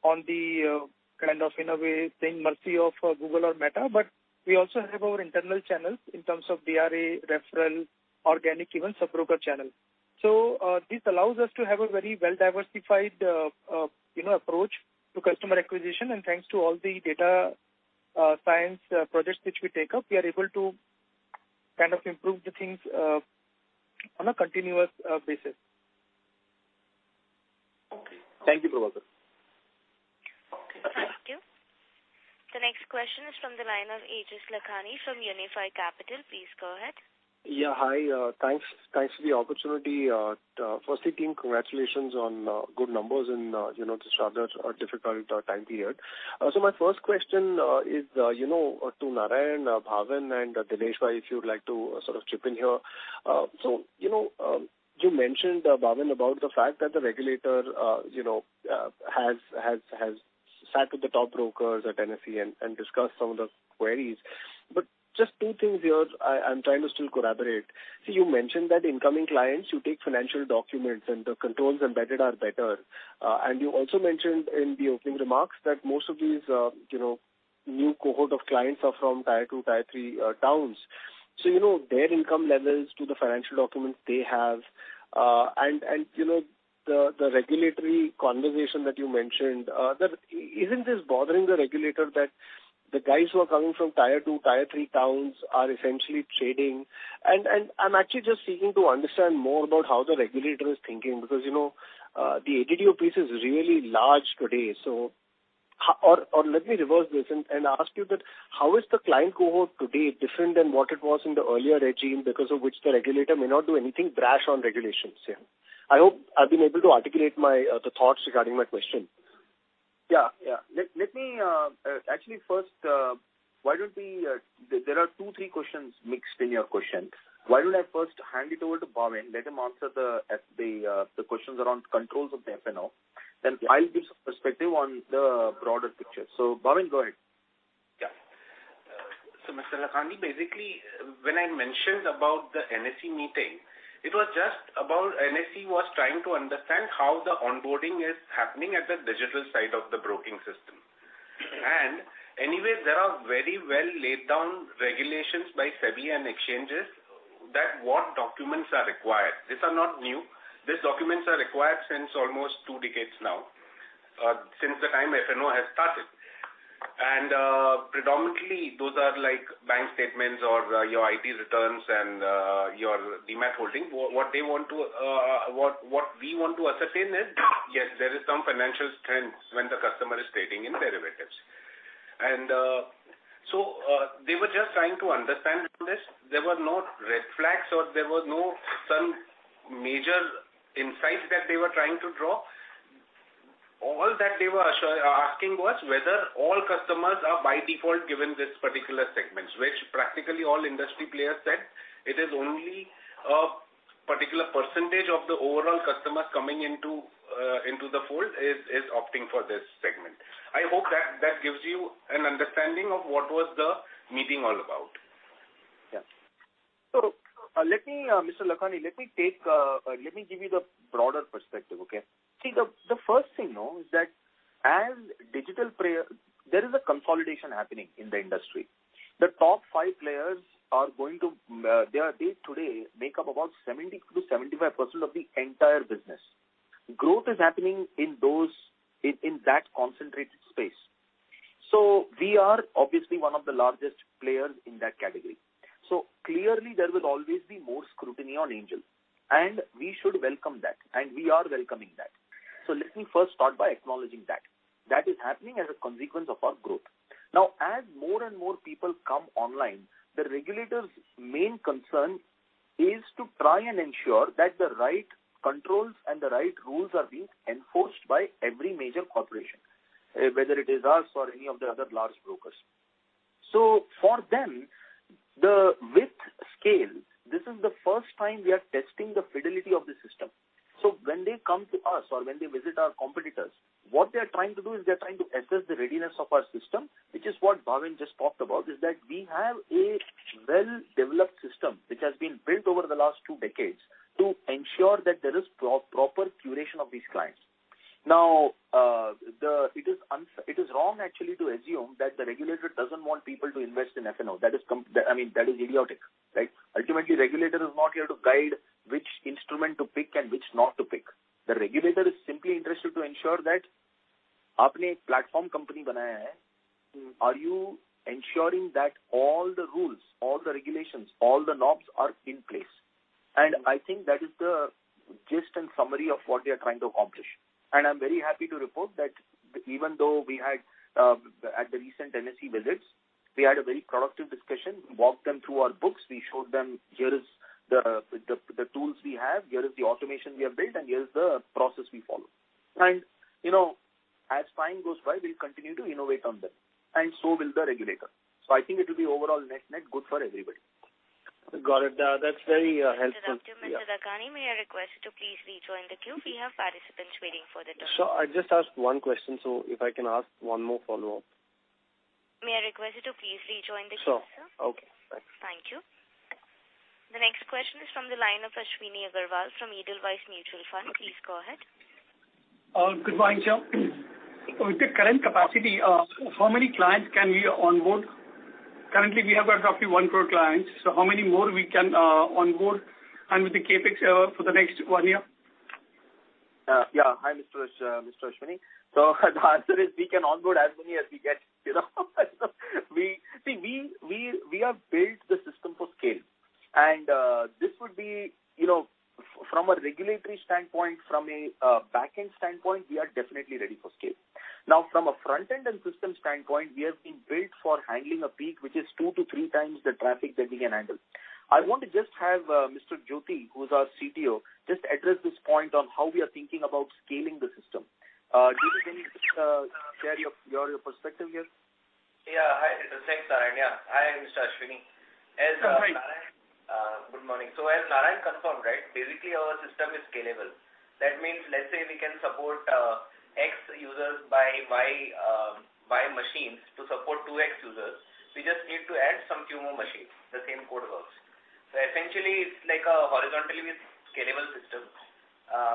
on the kind of in a way at the mercy of Google or Meta, but we also have our internal channels in terms of DRA, referral, organic, even sub-broker channel. This allows us to have a very well-diversified, you know, approach to customer acquisition. Thanks to all the data science projects which we take up, we are able to kind of improve the things on a continuous basis. Okay. Thank you, Prabhakar. Thank you. The next question is from the line of Aejas Lakhani from Unifi Capital. Please go ahead. Yeah, hi. Thanks for the opportunity. Firstly, team, congratulations on good numbers in you know, this rather difficult time period. My first question is you know to Narayan, Bhavin and Dinesh, if you would like to sort of chip in here. You know, you mentioned, Bhavin, about the fact that the regulator you know has sat with the top brokers at NSE and discussed some of the queries. But just two things here I'm trying to still corroborate. You mentioned that incoming clients, you take financial documents and the controls embedded are better. You also mentioned in the opening remarks that most of these you know, new cohort of clients are from Tier 2, Tier 3 towns. You know their income levels to the financial documents they have. You know the regulatory conversation that you mentioned, isn't this bothering the regulator that the guys who are coming from Tier 2, Tier 3 towns are essentially trading. I'm actually just seeking to understand more about how the regulator is thinking because you know the ADTO piece is really large today. Or let me reverse this and ask you how is the client cohort today different than what it was in the earlier regime because of which the regulator may not do anything brash on regulations? Yeah. I hope I've been able to articulate my thoughts regarding my question. Yeah, yeah. Let me actually first, why don't we. There are two, three questions mixed in your question. Why don't I firsthand it over to Bhavin, let him answer the questions around controls of the F&O. Yeah. I'll give some perspective on the broader picture. Bhavin, go ahead. Yeah. Mr. Aejas Lakhani, basically when I mentioned about the NSE meeting, it was just about NSE was trying to understand how the onboarding is happening at the digital side of the broking system. Anyway, there are very well laid down regulations by SEBI and exchanges that what documents are required. These are not new. These documents are required since almost two decades now, since the time F&O has started. Predominantly those are like bank statements or, your IT returns and, your Demat holding. What we want to ascertain is, yes, there is some financial strength when the customer is trading in derivatives. They were just trying to understand this. There were no red flags or there were no some major insights that they were trying to draw. All that they were asking was whether all customers are by default given this particular segment, which practically all industry players said it is only a particular percentage of the overall customers coming into the fold is opting for this segment. I hope that gives you an understanding of what was the meeting all about. Yeah. Let me, Mr. Lakhani, give you the broader perspective, okay? See, the first thing, though, is that as digital player, there is a consolidation happening in the industry. The top five players today make up about 70%-75% of the entire business. Growth is happening in those, in that concentrated space. We are obviously one of the largest players in that category. Clearly there will always be more scrutiny on Angel One, and we should welcome that, and we are welcoming that. Let me first start by acknowledging that. That is happening as a consequence of our growth. Now, as more and more people come online, the regulator's main concern is to try and ensure that the right controls and the right rules are being enforced by every major corporation, whether it is us or any of the other large brokers. For them, at this scale, this is the first time we are testing the fidelity of the system. When they come to us or when they visit our competitors, what they're trying to do is to assess the readiness of our system, which is what Bhavin just talked about, is that we have a well-developed system which has been built over the last two decades to ensure that there is proper curation of these clients. Now, it is wrong actually to assume that the regulator doesn't want people to invest in F&O. That is idiotic, right? Ultimately, regulator is not here to guide which instrument to pick and which not to pick. The regulator is simply interested to ensure that you are ensuring that all the rules, all the regulations, all the knobs are in place. I think that is the gist and summary of what we are trying to accomplish. I'm very happy to report that even though we had at the recent NSE visits, we had a very productive discussion, walked them through our books. We showed them, here is the tools we have, here is the automation we have built, and here's the process we follow. You know, as time goes by, we'll continue to innovate on them, and so will the regulator. I think it will be overall net-net good for everybody. Got it. That's very helpful. Mr. Lakhani, may I request you to please rejoin the queue. We have participants waiting for the I just asked one question, so if I can ask one more follow-up. May I request you to please rejoin the queue, sir? Okay. Thank you. The next question is from the line of Ashwani Agarwalla from Edelweiss Mutual Fund. Please go ahead. Good morning, sir. With the current capacity, how many clients can we onboard? Currently, we have got roughly 1 crore clients, so how many more we can onboard and with the CapEx for the next one year? Hi, Mr. Ashwani. So, the answer is we can onboard as many as we get. You know, we have built the system for scale. This would be, you know, from a regulatory standpoint, from a backend standpoint, we are definitely ready for scale. Now, from a front-end and system standpoint, we have been built for handling a peak, which is 2x-3x the traffic that we can handle. I want to just have Mr. Jyoti, who's our CTO, just address this point on how we are thinking about scaling the system. Jyoti, can you share your perspective here? Hi. Thanks, Narayan. Hi, Mr. Ashwani. As Narayan- Hi. Good morning. As Narayan confirmed, right, basically our system is scalable. That means, let's say we can support X users by Y machines to support two X users. We just need to add some few more machines. The same code works. Essentially, it's like a horizontally scalable system.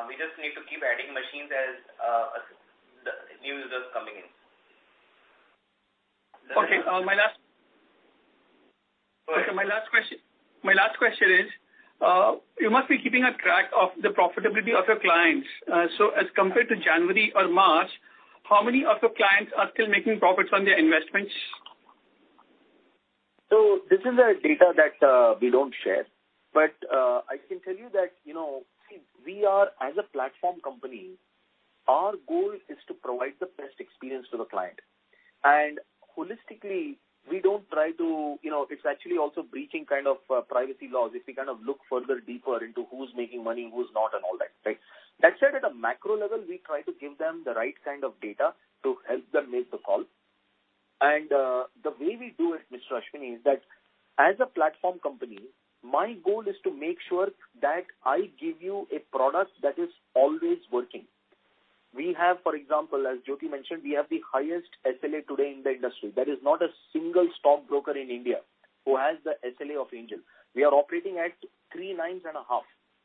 We just need to keep adding machines as the new users coming in. Okay. Go ahead. Okay. My last question is, you must be keeping a track of the profitability of your clients. As compared to January or March, how many of your clients are still making profits on their investments? This is a data that we don't share. I can tell you that, you know, we are as a platform company, our goal is to provide the best experience to the client. Holistically, we don't try. You know, it's actually also breaching kind of privacy laws if we kind of look further deeper into who's making money, who's not, and all that, right? That said, at a macro level, we try to give them the right kind of data to help them make the call. The way we do it, Mr. Ashwani, is that as a platform company, my goal is to make sure that I give you a product that is always working. We have, for example, as Jyoti mentioned, the highest SLA today in the industry. There is not a single stockbroker in India who has the SLA of Angel. We are operating at three nines and a half,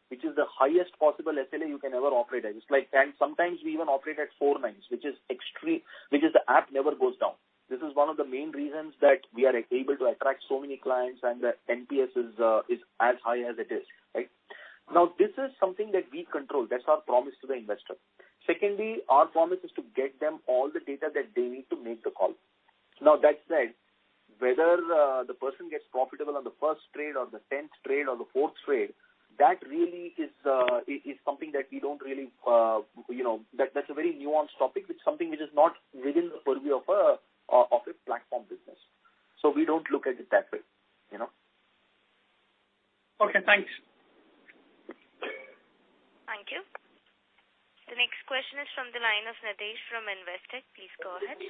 which is the highest possible SLA you can ever operate at. It's like sometimes we even operate at four nines, which is extreme, which is the app never goes down. This is one of the main reasons that we are able to attract so many clients and the NPS is as high as it is, right? Now, this is something that we control. That's our promise to the investor. Secondly, our promise is to get them all the data that they need to make the call. Now, that said, whether the person gets profitable on the first trade or the 10th trade or the fourth trade, that really is something that we don't really you know. That's a very nuanced topic. It's something which is not within the purview of a platform business. We don't look at it that way, you know. Okay, thanks. Thank you. The next question is from the line of Nidhesh from Investec. Please go ahead.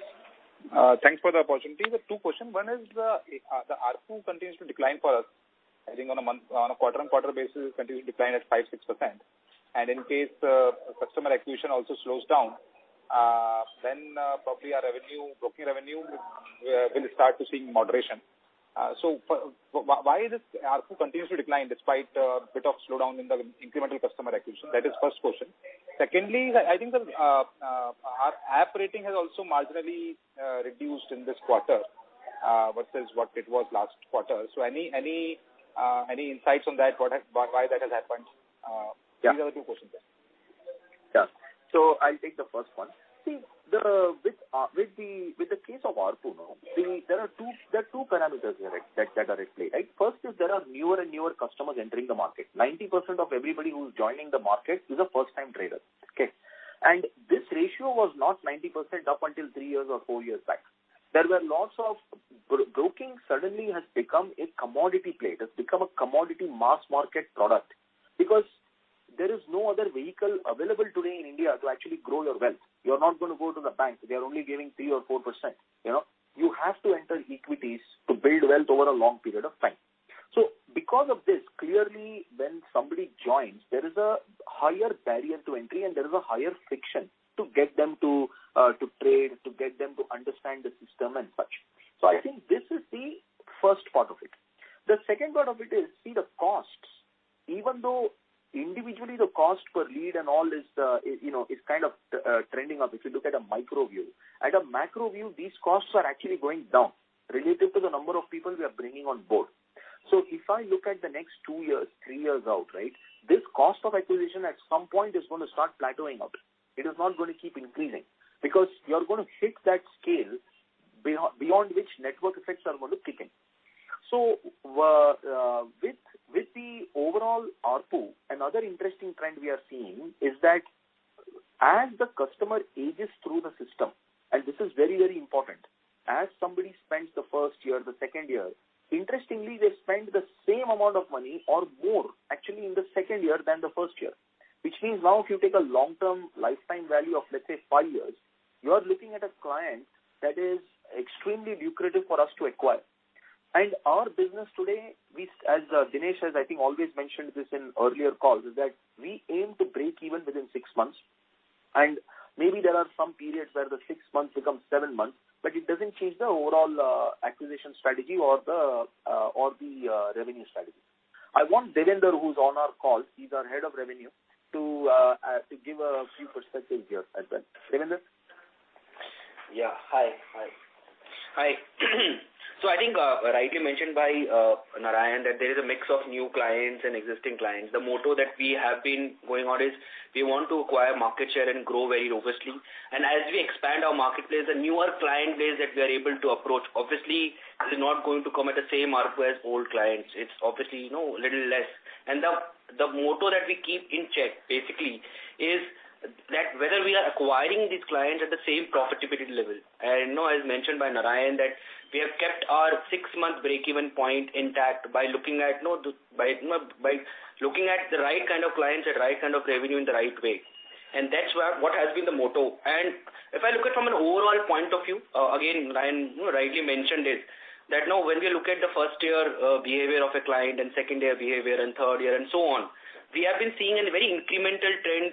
Thanks for the opportunity. There're two questions. One is the ARPU continues to decline for us, I think on a quarter-on-quarter basis, it continues to decline at 5%-6%. In case the customer acquisition also slows down, then probably our revenue, broking revenue, will start to see moderation. For why this ARPU continues to decline despite a bit of slowdown in the incremental customer acquisition? That is first question. Secondly, I think our app rating has also marginally reduced in this quarter versus what it was last quarter. Any insights on that, why that has happened? Yeah. These are the two questions there. Yeah. I'll take the first one. With the case of ARPU, there are two parameters here that are at play, right? First is there are newer and newer customers entering the market. 90% of everybody who's joining the market is a first-time trader. Okay? This ratio was not 90% up until three years or four years back. There were lots of broking suddenly has become a commodity play. It has become a commodity mass market product because there is no other vehicle available today in India to actually grow your wealth. You're not gonna go to the bank. They are only giving 3% or 4%, you know. You have to enter equities to build wealth over a long period of time. Because of this, clearly when somebody joins, there is a higher barrier to entry, and there is a higher friction to get them to trade, to get them to understand the system and such. I think this is the first part of it. The second part of it is, see the costs, even though individually the cost per lead and all is the, you know, is kind of trending up, if you look at a micro view. At a macro view, these costs are actually going down relative to the number of people we are bringing on board. If I look at the next two years, three years out, right, this cost of acquisition at some point is gonna start plateauing out. It is not gonna keep increasing because you're gonna hit that scale beyond which network effects are gonna kick in. With the overall ARPU, another interesting trend we are seeing is that as the customer ages through the system, and this is very, very important, as somebody spends the first year, the second year, interestingly, they spend the same amount of money or more actually in the second year than the first year. Which means now if you take a long-term lifetime value of, let's say, five years, you are looking at a client that is extremely lucrative for us to acquire. Our business today, as Dinesh has, I think, always mentioned this in earlier calls, is that we aim to break even within six months. Maybe there are some periods where the six months becomes seven months, but it doesn't change the overall acquisition strategy or the revenue strategy. I want Devender, who's on our call, he's our Head of Revenue, to give a few perspectives here as well. Devender? Yeah. Hi. I think, rightly mentioned by Narayan that there is a mix of new clients and existing clients. The motto that we have been going on is we want to acquire market share and grow very robustly. As we expand our marketplace, the newer client base that we are able to approach, obviously is not going to come at the same ARPU as old clients. It's obviously, you know, little less. The motto that we keep in check basically is that whether we are acquiring these clients at the same profitability level. You know, as mentioned by Narayan, that we have kept our six-month break-even point intact by looking at, you know, by looking at the right kind of clients at right kind of revenue in the right way. That's where what has been the motto. If I look at from an overall point of view, again, Narayan, you know, rightly mentioned it, that now when we look at the first year behavior of a client and second year behavior and third year and so on, we have been seeing a very incremental trend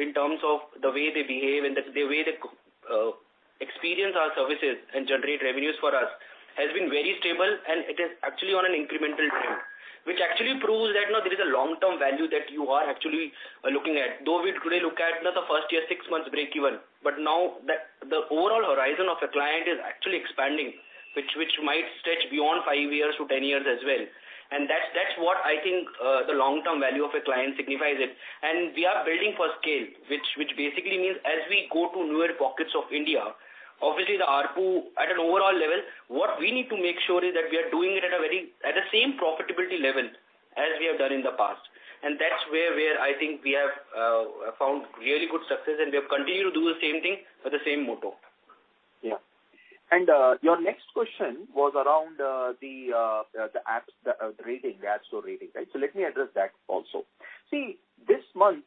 in terms of the way they behave and the way they experience our services and generate revenues for us has been very stable, and it is actually on an incremental trend, which actually proves that, you know, there is a long-term value that you are actually looking at. Though we today look at, you know, the first year, six months break even. Now the overall horizon of a client is actually expanding, which might stretch beyond five years to 10 years as well. That's what I think the long-term value of a client signifies it. We are building for scale, which basically means as we go to newer pockets of India, obviously the ARPU at an overall level, what we need to make sure is that we are doing it at the same profitability level as we have done in the past. That's where I think we have found really good success, and we have continued to do the same thing with the same motto. Yeah. Your next question was around the apps, the rating, the App Store rating, right? Let me address that also. See, this month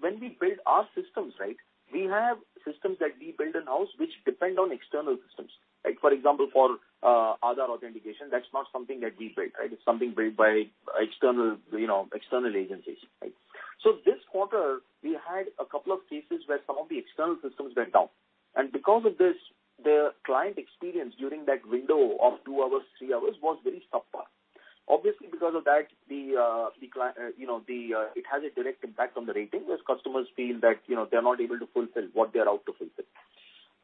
when we build our systems, right, we have systems that we build in-house which depend on external systems, like for example, for Aadhaar authentication, that's not something that we build, right? It's something built by external, you know, external agencies, right? This quarter, we had a couple of cases where some of the external systems went down. Because of this, the client experience during that window of two hours, three hours was very sub-par. Obviously, because of that, you know, it has a direct impact on the rating, as customers feel that, you know, they're not able to fulfill what they are out to fulfill.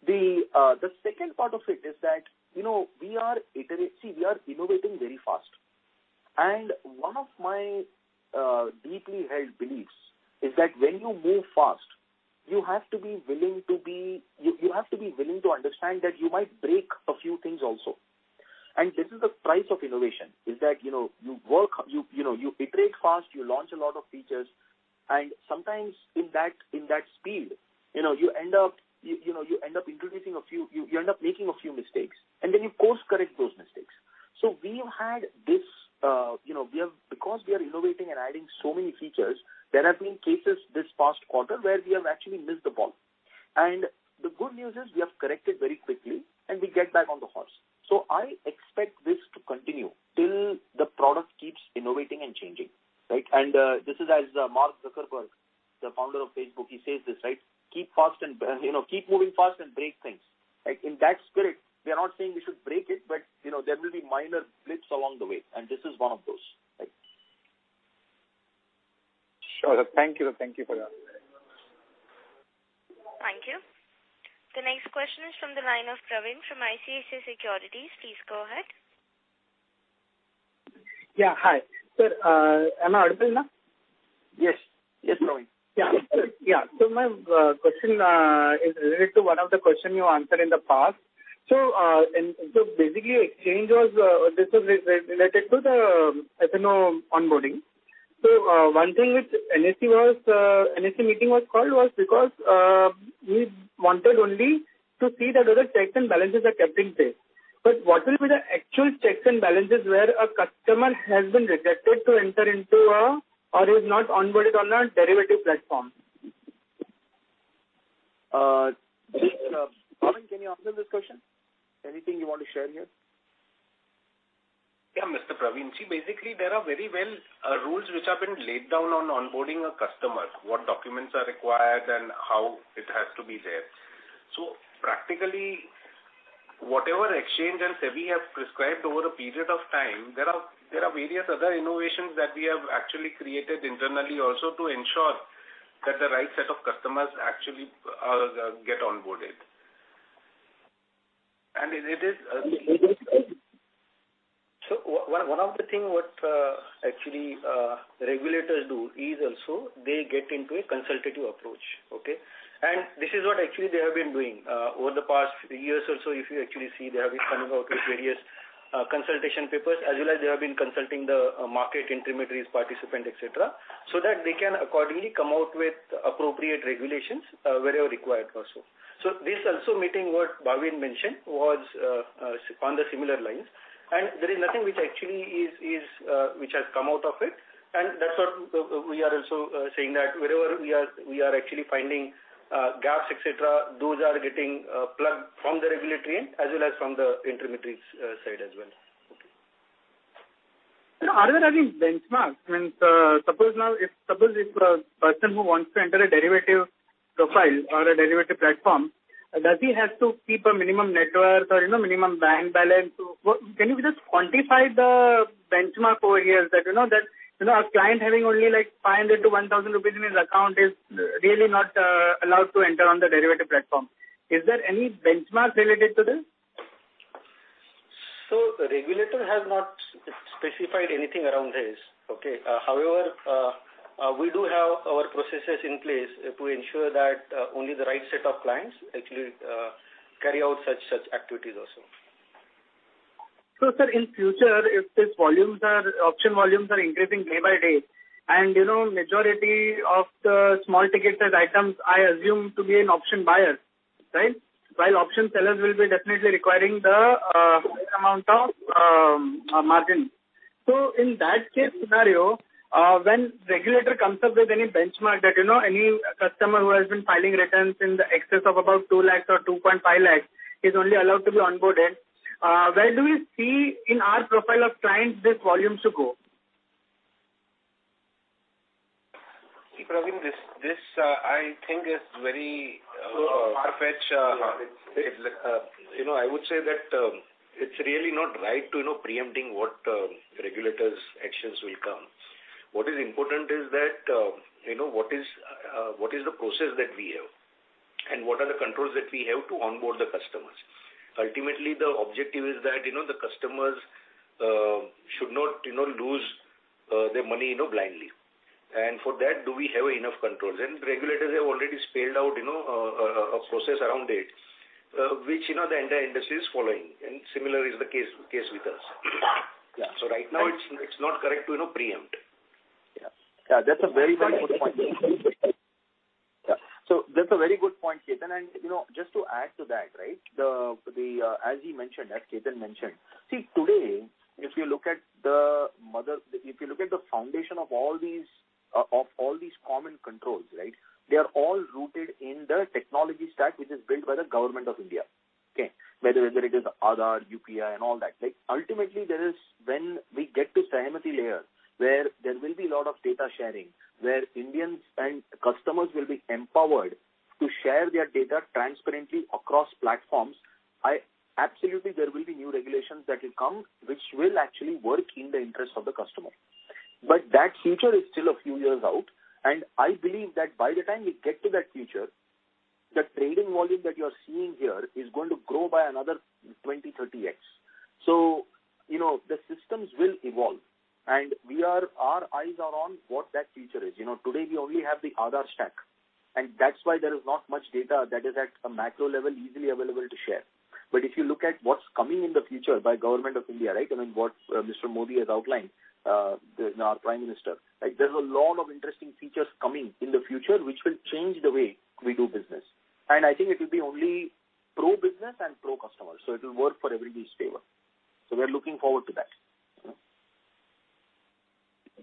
The second part of it is that, you know, we are innovating very fast. One of my deeply held beliefs is that when you move fast, you have to be willing to understand that you might break a few things also. This is the price of innovation, is that, you know, you work, you iterate fast, you launch a lot of features, and sometimes in that speed, you know, you end up making a few mistakes, and then you course-correct those mistakes. We have had this, you know, because we are innovating and adding so many features, there have been cases this past quarter where we have actually missed the ball. The good news is we have corrected very quickly, and we get back on the horse. I expect this to continue till the product keeps innovating and changing, right? This is as Mark Zuckerberg, the founder of Facebook, he says this, right? "Move fast and break things," you know. Right? In that spirit, we are not saying we should break it, but, you know, there will be minor blips along the way, and this is one of those, right? Sure. Thank you. Thank you for that. Thank you. The next question is from the line of Praveen from ICICI Securities. Please go ahead. Yeah. Hi. Sir, am I audible now? Yes. Yes, Praveen. Yeah. My question is related to one of the questions you answered in the past. Basically, the exchange was, this was related to the F&O onboarding. One thing which NSE, the NSE meeting was called was because we wanted only to see that other checks and balances are kept in place. What will be the actual checks and balances where a customer has been rejected to enter into a F&O or is not onboarded on a derivative platform? Bhavin, can you answer this question? Anything you want to share here? Yeah, Mr. Praveen. See, basically there are very well rules which have been laid down on onboarding a customer, what documents are required and how it has to be there. Practically, whatever exchange and SEBI have prescribed over a period of time, there are various other innovations that we have actually created internally also to ensure that the right set of customers actually get onboarded. It is One of the things what actually regulators do is also they get into a consultative approach, okay? This is what actually they have been doing over the past years or so. If you actually see, they have been coming out with various consultation papers, as well as they have been consulting the market intermediaries, participants, etc. That they can accordingly come out with appropriate regulations wherever required also. This also meeting what Bhavin mentioned was on the similar lines, and there is nothing which actually is which has come out of it. That's what we are also saying that wherever we are, we are actually finding gaps, etc., those are getting plugged from the regulatory end as well as from the intermediaries' side as well. Okay. Are there any benchmarks? Well, suppose if a person who wants to enter a derivative profile or a derivative platform, does he have to keep a minimum net worth or, you know, minimum bank balance? Can you just quantify the benchmark over here that, you know, a client having only, like, 500-1,000 rupees in his account is really not allowed to enter on the derivative platform. Is there any benchmark related to this? The regulator has not specified anything around this. Okay. However, we do have our processes in place to ensure that only the right set of clients actually carry out such activities also. Sir, in future, if these option volumes are increasing day by day, and, you know, majority of the small, ticketed items, I assume to be an option buyer, right? While option sellers will be definitely requiring the higher amount of margin. In that case scenario, when regulator comes up with any benchmark that, you know, any customer who has been filing returns in the excess of about 2 lakh or 2.5 lakh is only allowed to be onboarded, where do we see in our profile of clients these volumes to go? See, Praveen, this I think is very far-fetched. It's you know, I would say that it's really not right to you know, preempting what regulators actions will come. What is important is that you know, what is the process that we have and what are the controls that we have to onboard the customers. Ultimately, the objective is that you know, the customers should not you know, lose their money you know, blindly. For that, do we have enough controls? Regulators have already spelled out you know, a process around it which you know, the entire industry is following. Similar is the case with us. Yeah. Right now it's not correct to, you know, preempt. Yeah. Yeah. That's a very, very good point. Yeah. That's a very good point, Ketan. You know, just to add to that, right, as Ketan mentioned, today, if you look at the foundation of all these common controls, right? They are all rooted in the technology stack, which is built by the Government of India. Okay? Whether it is Aadhaar, UPI and all that, right? Ultimately, there is when we get to Sahamati layer, where there will be a lot of data sharing, where Indians and customers will be empowered to share their data transparently across platforms. Absolutely there will be new regulations that will come which will actually work in the interest of the customer. That future is still a few years out, and I believe that by the time we get to that future, the trading volume that you are seeing here is going to grow by another 20x-30x. So, you know, the systems will evolve. Our eyes are on what that future is. You know, today we only have the Aadhaar stack, and that's why there is not much data that is at a macro level easily available to share. If you look at what's coming in the future by Government of India, right, I mean, what Mr. Modi has outlined, our Prime Minister, like, there's a lot of interesting features coming in the future which will change the way we do business. I think it will be only pro-business and pro customer, so it will work for everybody's favor. We are looking forward to that.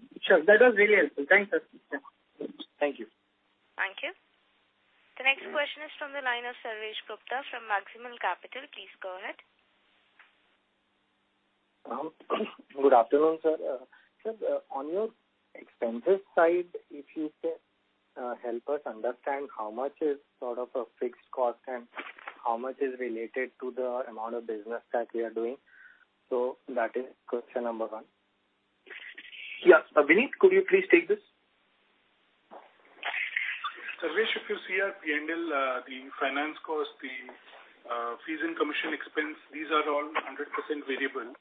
You know? Sure. That was really helpful. Thanks, sir. Thank you. Thank you. The next question is from the line of Sarvesh Gupta from Maximal Capital. Please go ahead. Good afternoon, sir. Sir, on your expenses side, if you could help us understand how much is sort of a fixed cost and how much is related to the amount of business that we are doing. That is question number one. Yeah. Vineet, could you please take this? Sarvesh Gupta, if you see our P&L, the finance cost, the fees and commission expense, these are all 100% variable.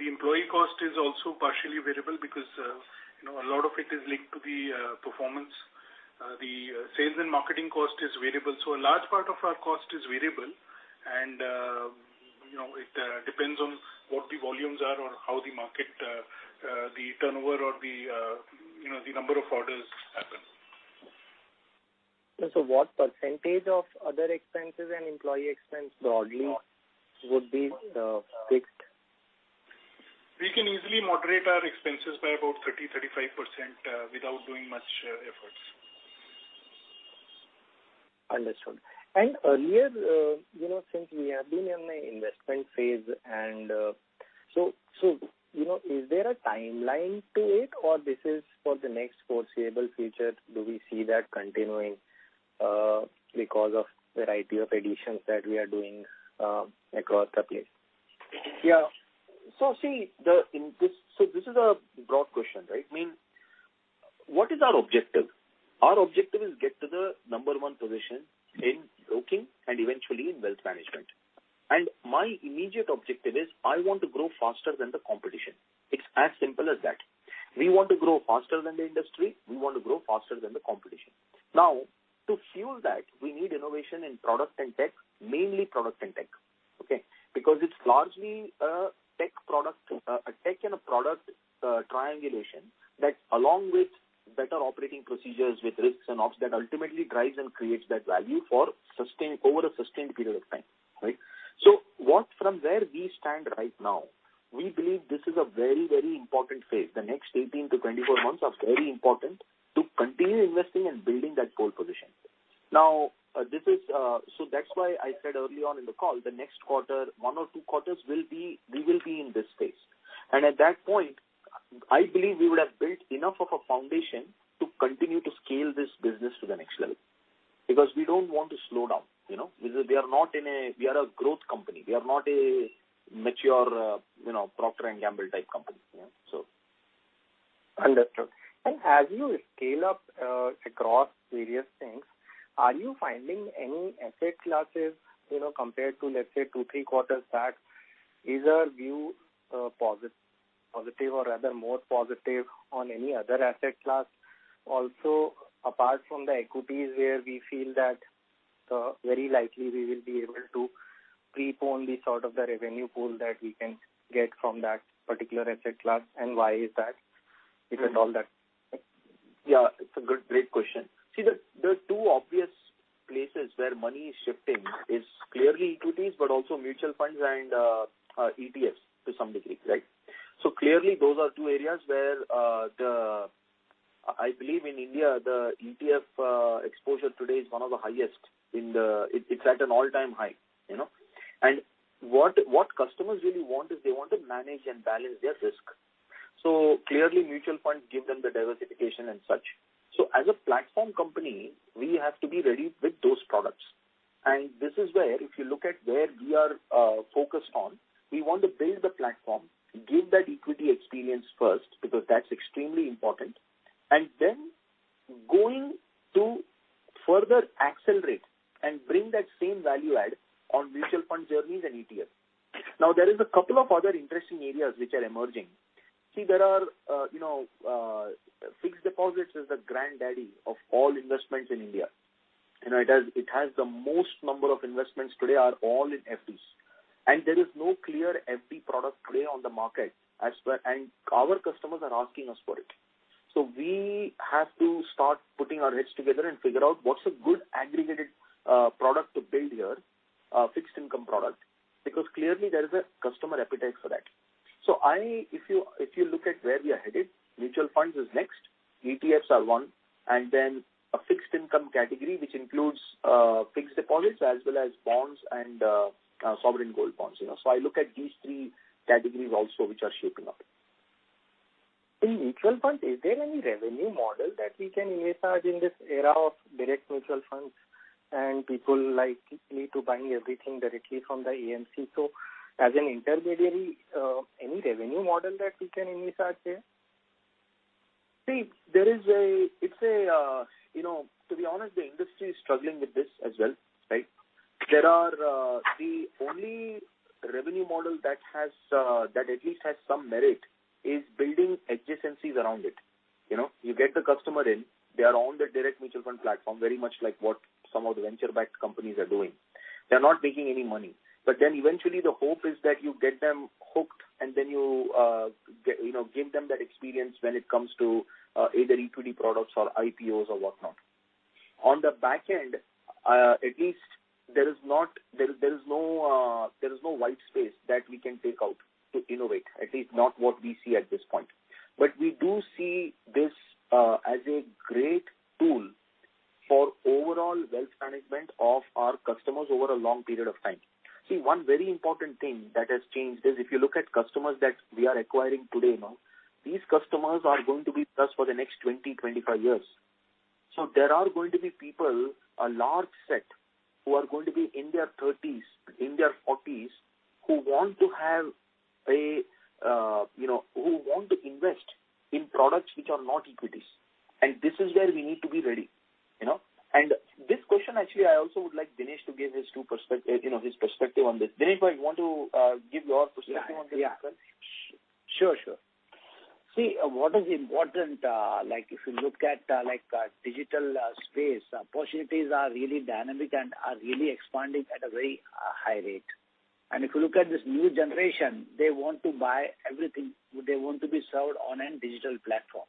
The employee cost is also partially variable because, you know, a lot of it is linked to the performance. The sales and marketing cost is variable. A large part of our cost is variable and, you know, it depends on what the volumes are or how the market, the turnover or the, you know, the number of orders happen. What percentage of other expenses and employee expenses broadly would be fixed? We can easily moderate our expenses by about 30%-35%, without doing much efforts. Understood. Earlier, you know, since we have been in an investment phase and, so you know, is there a timeline to it or this is for the next foreseeable future, do we see that continuing, because of variety of additions that we are doing, across the place? This is a broad question, right? I mean, what is our objective? Our objective is get to the number one position in broking and eventually in wealth management. My immediate objective is I want to grow faster than the competition. It's as simple as that. We want to grow faster than the industry. We want to grow faster than the competition. Now, to fuel that, we need innovation in product and tech, mainly product and tech, okay? Because it's largely a tech product, a tech and a product triangulation that along with better operating procedures with risks and ops that ultimately drives and creates that value over a sustained period of time, right? From where we stand right now, we believe this is a very, very important phase. The next 18-24 months are very important to continue investing and building that pole position. That's why I said early on in the call, the next quarter, one or two quarters will be. We will be in this space. At that point, I believe we would have built enough of a foundation to continue to scale this business to the next level. Because we don't want to slow down, you know. We are a growth company. We are not a mature, you know, Procter & Gamble type company, you know. Understood. As you scale up across various things, are you finding any asset classes, you know, compared to, let's say, two, three quarters back, is our view positive or rather more positive on any other asset class? Also, apart from the equities where we feel that very likely we will be able to prepone the sort of the revenue pool that we can get from that particular asset class, and why is that different, all that? Yeah, it's a good, great question. See the two obvious places where money is shifting is clearly equities, but also mutual funds and ETFs to some degree, right? Clearly those are two areas where I believe in India, the ETF exposure today is one of the highest. It's at an all-time high, you know. What customers really want is they want to manage and balance their risk. Clearly mutual funds give them the diversification and such. As a platform company, we have to be ready with those products. This is where if you look at where we are focused on, we want to build the platform, give that equity experience first, because that's extremely important, and then going to further accelerate and bring that same value add on mutual fund journeys and ETFs. Now, there is a couple of other interesting areas which are emerging. See, there are fixed deposits is the granddaddy of all investments in India. It has the most number of investments today are all in FDs. There is no clear FD product today on the market as per our customers are asking us for it. We have to start putting our heads together and figure out what's a good aggregated product to build here, fixed income product, because clearly there is a customer appetite for that. If you look at where we are headed, mutual funds is next, ETFs are one, and then a fixed income category, which includes fixed deposits as well as bonds and sovereign gold bonds, you know. I look at these three categories also which are shaping up. In mutual funds, is there any revenue model that we can envisage in this era of direct mutual funds and people likely to buying everything directly from the AMC? As an intermediary, any revenue model that we can envisage there? You know, to be honest, the industry is struggling with this as well, right? The only revenue model that at least has some merit is building adjacencies around it. You know? You get the customer in, they are on the direct mutual fund platform, very much like what some of the venture-backed companies are doing. They're not making any money. Then eventually the hope is that you get them hooked and then you know, give them that experience when it comes to either equity products or IPOs or whatnot. On the back end, there is no white space that we can take out to innovate. At least not what we see at this point. We do see this as a great tool for overall wealth management of our customers over a long period of time. See, one very important thing that has changed is if you look at customers that we are acquiring today now, these customers are going to be with us for the next 20, 25 years. There are going to be people, a large set who are going to be in their thirties, in their forties, who want to have a, you know, who want to invest in products which are not equities. This is where we need to be ready, you know. This question actually I also would like Dinesh to give his perspective, you know, his perspective on this question. Dinesh, if you want to give your perspective on this question. Yeah. Sure, sure. See, what is important, like if you look at, like, digital space, opportunities are really dynamic and are really expanding at a very high rate. If you look at this new generation, they want to buy everything. They want to be served on a digital platform.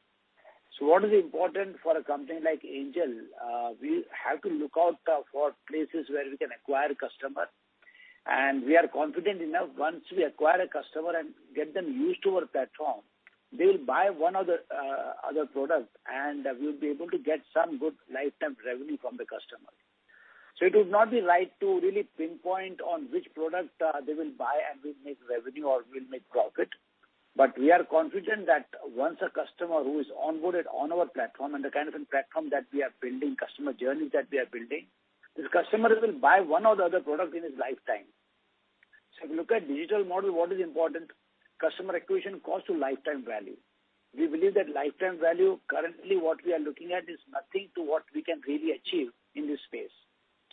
What is important for a company like Angel, we have to look out for places where we can acquire customers, and we are confident enough once we acquire a customer and get them used to our platform, they'll buy one or other product and we'll be able to get some good lifetime revenue from the customer. It would not be right to really pinpoint on which product they will buy and will make revenue or will make profit. We are confident that once a customer who is onboarded on our platform and the kind of platform that we are building, customer journeys that we are building, this customer will buy one or the other product in his lifetime. If you look at digital model, what is important? Customer acquisition cost to lifetime value. We believe that lifetime value, currently what we are looking at is nothing to what we can really achieve in this space.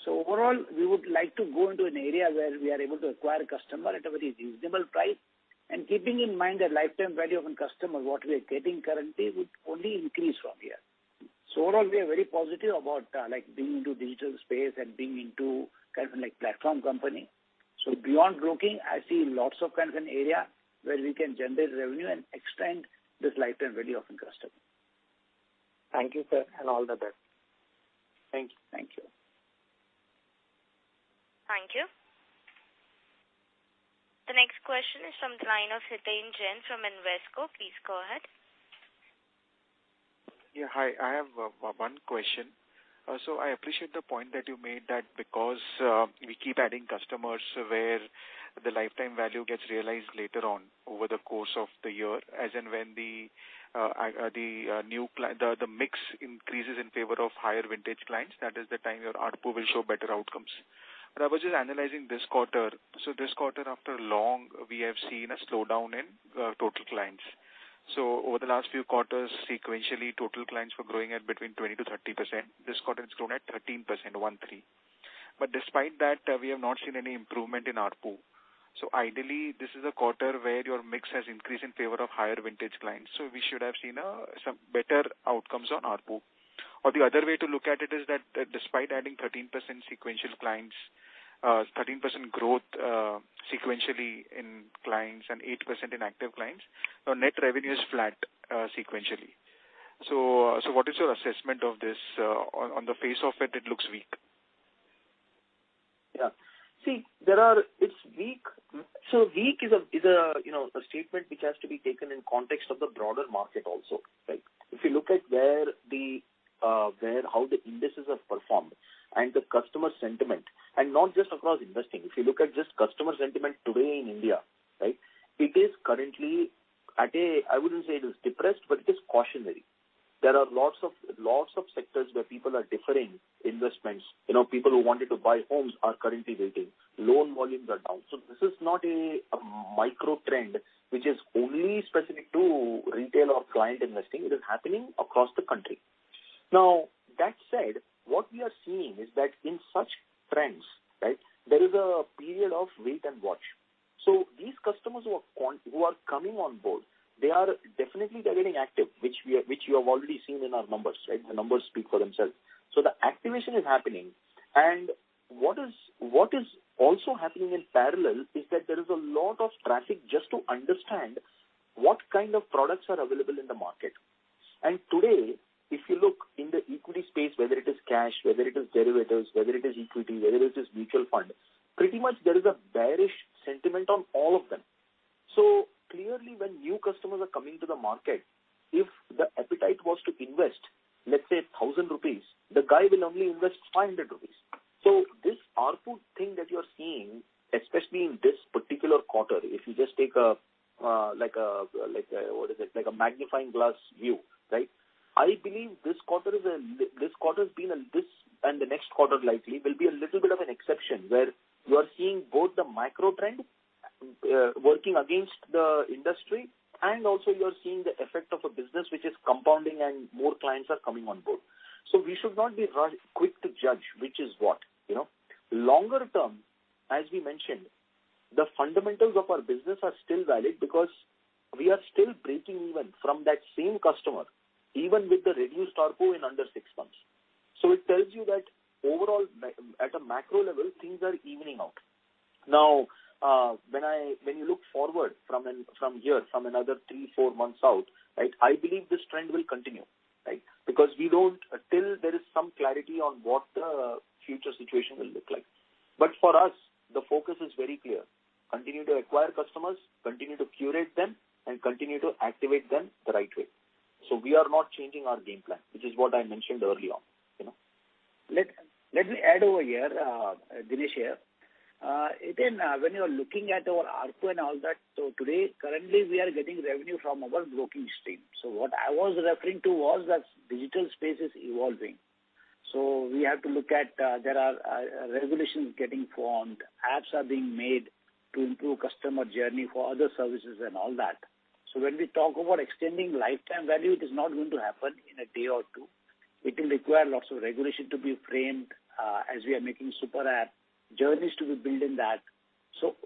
Overall, we would like to go into an area where we are able to acquire customer at a very reasonable price and keeping in mind the lifetime value of a customer, what we are getting currently would only increase from here. Overall, we are very positive about, like, being into digital space and being into kind of like platform company. Beyond broking, I see lots of kind of an area where we can generate revenue and extend this lifetime value of a customer. Thank you, sir, and all the best. Thank you. Thank you. Thank you. The next question is from the line of Hiten Jain from Invesco. Please go ahead. Yeah, hi. I have one question. I appreciate the point that you made that because we keep adding customers where the lifetime value gets realized later on over the course of the year as and when the mix increases in favor of higher vintage clients, that is the time your ARPU will show better outcomes. I was just analyzing this quarter. This quarter, after long, we have seen a slowdown in total clients. Over the last few quarters, sequentially, total clients were growing at between 20%-30%. This quarter it's grown at 13%. Despite that, we have not seen any improvement in ARPU. Ideally, this is a quarter where your mix has increased in favor of higher vintage clients, so we should have seen some better outcomes on ARPU. The other way to look at it is that despite adding 13% growth sequentially in clients and 8% in active clients, your net revenue is flat sequentially. What is your assessment of this? On the face of it looks weak. Yeah. See, it's weak. Weak is a you know a statement which has to be taken in context of the broader market also, right? If you look at how the indices have performed and the customer sentiment, and not just across investing, if you look at just customer sentiment today in India, right? It is currently at a. I wouldn't say it is depressed, but it is cautionary. There are lots of sectors where people are deferring investments. You know, people who wanted to buy homes are currently waiting. Loan volumes are down. This is not a micro trend which is only specific to retail or client investing. It is happening across the country. Now, that said, what we are seeing is that in such trends, right, there is a period of wait and watch. These customers who are coming on board, they are definitely getting active, which you have already seen in our numbers, right? The numbers speak for themselves. The activation is happening. What is also happening in parallel is that there is a lot of traffic just to understand what kind of products are available in the market. Today, if you look in the equity space, whether it is cash, whether it is derivatives, whether it is equity, whether it is mutual fund, pretty much there is a bearish sentiment on all of them. Clearly, when new customers are coming to the market, if the appetite was to invest, let's say 1,000 rupees, the guy will only invest 500 rupees. This ARPU thing that you're seeing, especially in this particular quarter, if you just take a magnifying glass view, right? I believe this quarter has been and the next quarter likely will be a little bit of an exception where you are seeing both the micro trend working against the industry and also you are seeing the effect of a business which is compounding and more clients are coming on board. We should not be quick to judge which is what, you know. Longer term, as we mentioned, the fundamentals of our business are still valid because we are still breaking even from that same customer, even with the reduced ARPU in under six months. It tells you that overall at a macro level, things are evening out. Now, when you look forward from here, from another three, four months out, right, I believe this trend will continue, right? Because we don't until there is some clarity on what the future situation will look like. For us, the focus is very clear. Continue to acquire customers, continue to curate them, and continue to activate them the right way. We are not changing our game plan, which is what I mentioned early on, you know. Let me add over here, Dinesh here. Again, when you are looking at our ARPU and all that, today currently we are getting revenue from our broking stream. What I was referring to was that digital space is evolving. We have to look at there are regulations getting formed, apps are being made to improve customer journey for other services and all that. When we talk about extending lifetime value, it is not going to happen in a day or two. It will require lots of regulation to be framed, as we are making Super App journeys to be built in that.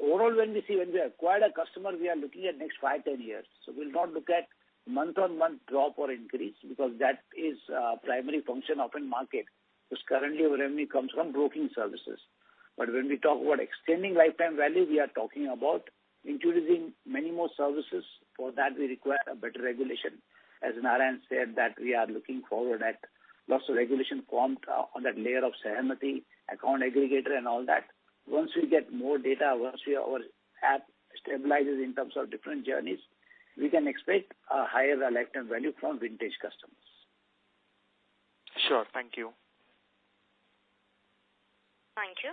Overall, when we acquire a customer, we are looking at next five, 10 years. We'll not look at month-on-month drop or increase because that is primary function of a market because currently revenue comes from broking services. When we talk about extending lifetime value, we are talking about introducing many more services. For that we require a better regulation. As Narayan said that we are looking forward at lots of regulation formed on that layer of Sahamati, account aggregator and all that. Once we get more data, once our app stabilizes in terms of different journeys, we can expect a higher lifetime value from vintage customers. Sure. Thank you. Thank you.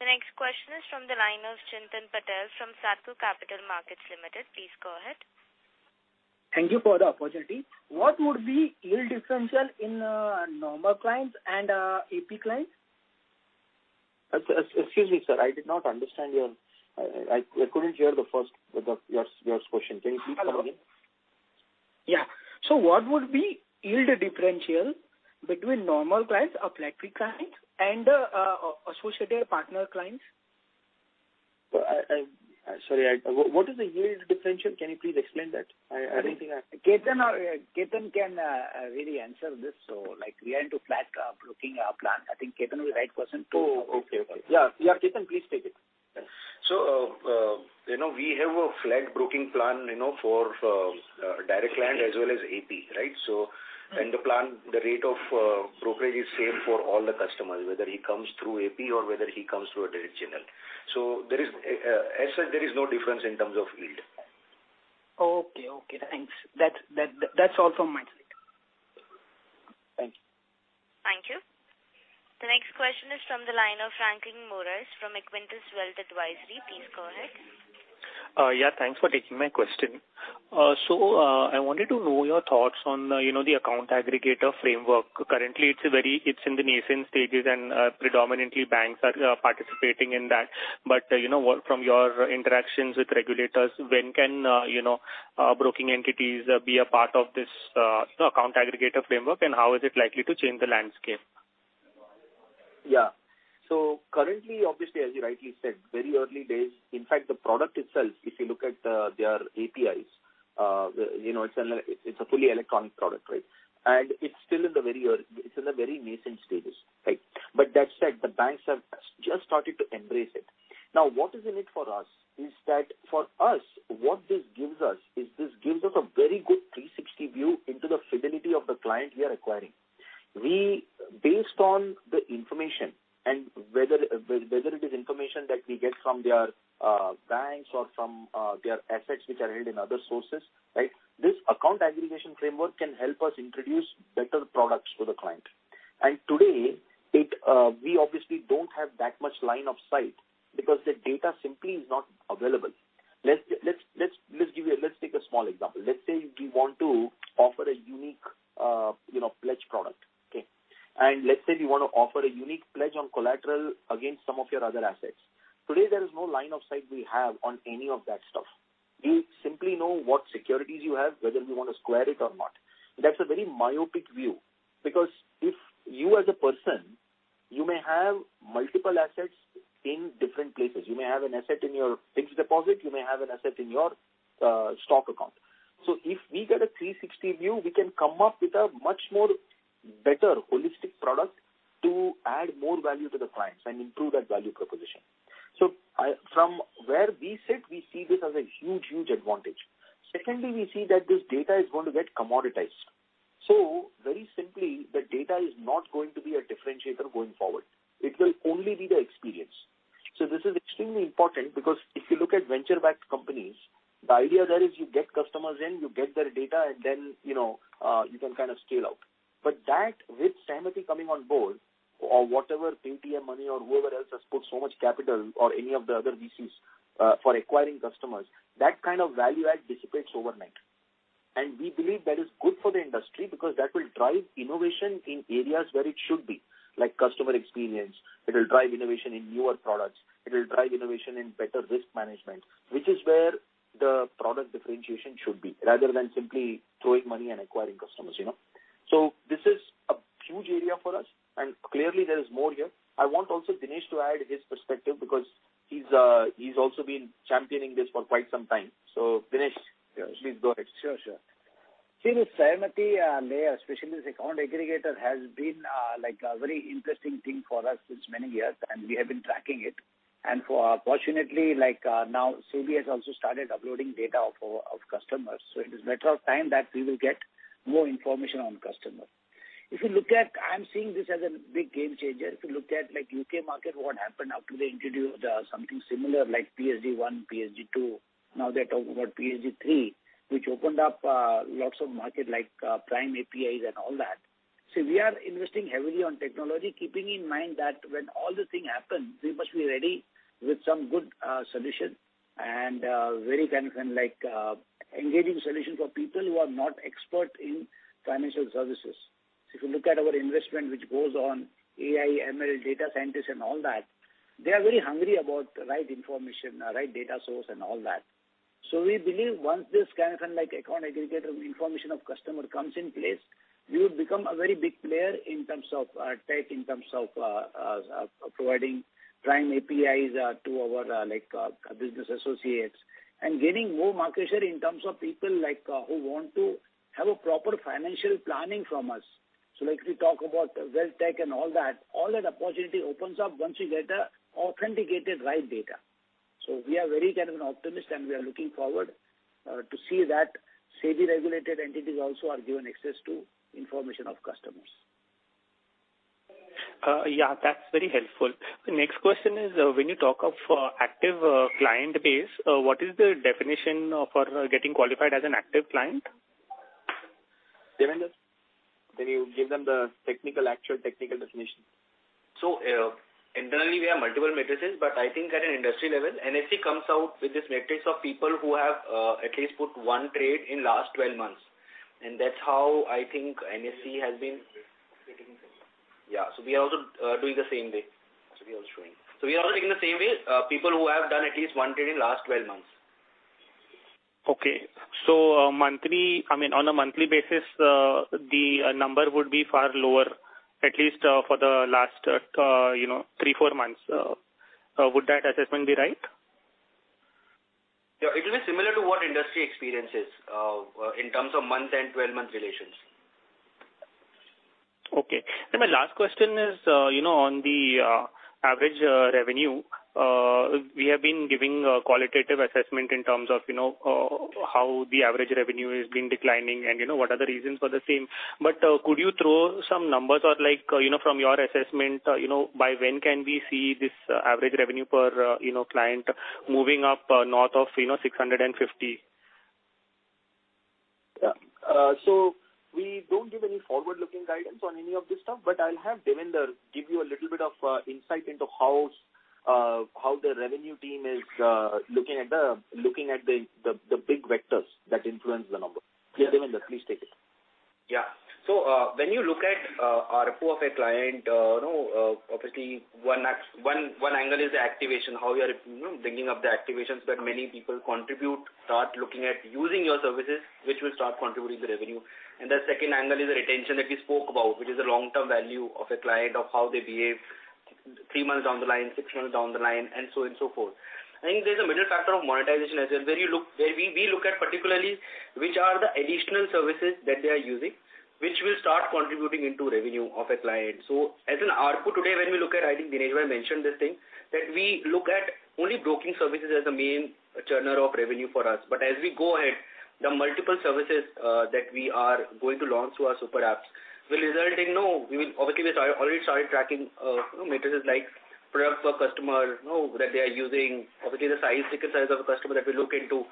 The next question is from the line of Chintan Patel from Satco Capital Markets Limited. Please go ahead. Thank you for the opportunity. What would be yield differential in normal clients and FF clients? Excuse me, sir. I did not understand your question. I couldn't hear the first part of your question. Can you please come again? Hello. Yeah. What would be yield differential between normal clients or Flat Fee clients and associated partner clients? Sorry, what is the yield differential? Can you please explain that? I don't think I- Ketan can really answer this. Like we are into flat broking plan. I think Ketan will be right person to Oh, okay. Yeah, Ketan, please take it. You know, we have a flat broking plan, you know, for direct client as well as AP, right? The plan, the rate of brokerage is same for all the customers, whether he comes through AP or whether he comes through a direct channel. As such, there is no difference in terms of yield. Okay. Thanks. That's all from my side. Thank you. Thank you. The next question is from the line of Franklin Moraes from Equentis Wealth Advisory. Please go ahead. Yeah, thanks for taking my question. I wanted to know your thoughts on, you know, the account aggregator framework. Currently, it's in the nascent stages and, predominantly banks are participating in that. You know, what from your interactions with regulators, when can, you know, broking entities be a part of this, you know, account aggregator framework, and how is it likely to change the landscape? Yeah. Currently obviously as you rightly said, very early days. In fact, the product itself, if you look at their APIs, you know, it's a fully electronic product, right? It's in the very nascent stages, right? But that said, the banks have just started to embrace it. Now, what is in it for us is that for us, what this gives us is these gives us a very good 360 view into the fidelity of the client we are acquiring. We based oen the information and whether it is information that we get from their banks or from their assets which are held in other sources, right? This account aggregation framework can help us introduce better products to the client. Today, we obviously don't have that much line of sight because the data simply is not available. Let's take a small example. Let's say we want to offer a unique, you know, pledge product, okay? Let's say we wanna offer a unique pledge on collateral against some of your other assets. Today, there is no line of sight we have on any of that stuff. We simply know what securities you have, whether we want to square it or not. That's a very myopic view because if you as a person, you may have multiple assets in different places. You may have an asset in your fixed deposit, you may have an asset in your stock account. If we get a 360 view, we can come up with a much more better holistic product to add more value to the clients and improve that value proposition. From where we sit, we see this as a huge advantage. Secondly, we see that this data is going to get commoditized. Very simply, the data is not going to be a differentiator going forward. It will only be the experience. This is extremely important because if you look at venture backed companies, the idea there is you get customers in, you get their data and then, you know, you can kind of scale out. But that with Sahamati coming on board or whatever Paytm Money or whoever else has put so much capital or any of the other VCs for acquiring customers, that kind of value add dissipates overnight. We believe that is good for the industry because that will drive innovation in areas where it should be, like customer experience. It will drive innovation in newer products. It will drive innovation in better risk management, which is where the product differentiation should be, rather than simply throwing money and acquiring customers, you know? This is a huge area for us and clearly there is more here. I want also Dinesh to add his perspective because he's also been championing this for quite some time. Dinesh, please go ahead. Sure, sure. See this Sahamati layer, especially this account aggregator has been like a very interesting thing for us since many years, and we have been tracking it. Fortunately, like, now CDSL also started uploading data of our customers, so it is a matter of time that we will get more information on customer. I'm seeing this as a big game changer. If you look at like U.K. market, what happened after they introduced something similar like PSD1, PSD2, now they're talking about PSD3, which opened up lots of market like open APIs and all that. We are investing heavily on technology, keeping in mind that when all the thing happens, we must be ready with some good solution and very kind of like engaging solution for people who are not expert in financial services. If you look at our investment which goes on AI, ML, data scientists and all that, they are very hungry about the right information right data source and all that. We believe once this kind of like account aggregator information of customer comes in place, we would become a very big player in terms of tech, in terms of providing open APIs to our like business associates and gaining more market share in terms of people like who want to have a proper financial planning from us. Like we talk about the wealth tech and all that, all that opportunity opens up once you get the authenticated right data. We are very kind of optimistic, and we are looking forward to see that SEBI regulated entities also are given access to information of customers. Yeah, that's very helpful. The next question is, when you talk of active client base, what is the definition for getting qualified as an active client? Devender, can you give them the actual technical definition? Internally we have multiple metrics, but I think at an industry level, NSE comes out with this metric of people who have at least put one trade in last 12 months. That's how I think NSE has been. Yeah. We are also doing the same way. We also doing. We are doing the same way, people who have done at least one trade in last 12 months. Okay. I mean, on a monthly basis, the number would be far lower, at least, for the last three to four months. Would that assessment be right? Yeah. It will be similar to what industry experiences, in terms of month and 12-month relations. Okay. My last question is, you know, on the average revenue, we have been giving a qualitative assessment in terms of, you know, how the average revenue is being declining and, you know, what are the reasons for the same. But, could you throw some numbers or like, you know, from your assessment, you know, by when can we see this average revenue per, you know, client moving up north of, you know, 650? We don't give any forward-looking guidance on any of this stuff, but I'll have Devender give you a little bit of insight into how the revenue team is looking at the big vectors that influence the number. Yeah. Devender, please take it. Yeah. When you look at ARPU of a client, you know, obviously one angle is the activation. How we are, you know, bringing up the activations that many people contribute, start looking at using your services, which will start contributing the revenue. The second angle is the retention that we spoke about, which is the long-term value of a client of how they behave three months down the line, six months down the line and so on and so forth. I think there's a middle factor of monetization as well, where we look at particularly which are the additional services that they are using, which will start contributing into revenue of a client. As an ARPU today, when we look at, I think Dinesh might mention this thing, that we look at only broking services as a main earner of revenue for us. As we go ahead, the multiple services that we are going to launch through our Super App will result in, you know, obviously we already started tracking, you know, metrics like product per customer, you know, that they are using, obviously the size, ticket size of a customer that we look into.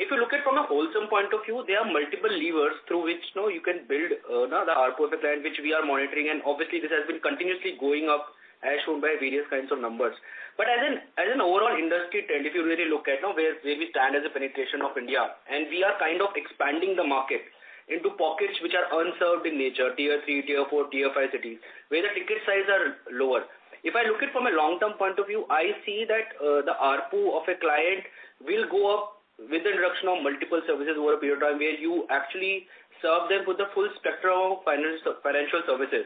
If you look at from a holistic point of view, there are multiple levers through which, you know, you can build the ARPU of the client, which we are monitoring, and obviously this has been continuously going up as shown by various kinds of numbers. As an overall industry trend, if you really look at, you know, where we stand as a penetration of India, and we are kind of expanding the market into pockets which are unserved in nature, Tier 3, Tier 4, Tier 5 cities, where the ticket size are lower. If I look it from a long-term point of view, I see that, the ARPU of a client will go up with the introduction of multiple services over a period of time, where you actually serve them with the full spectrum of financial services.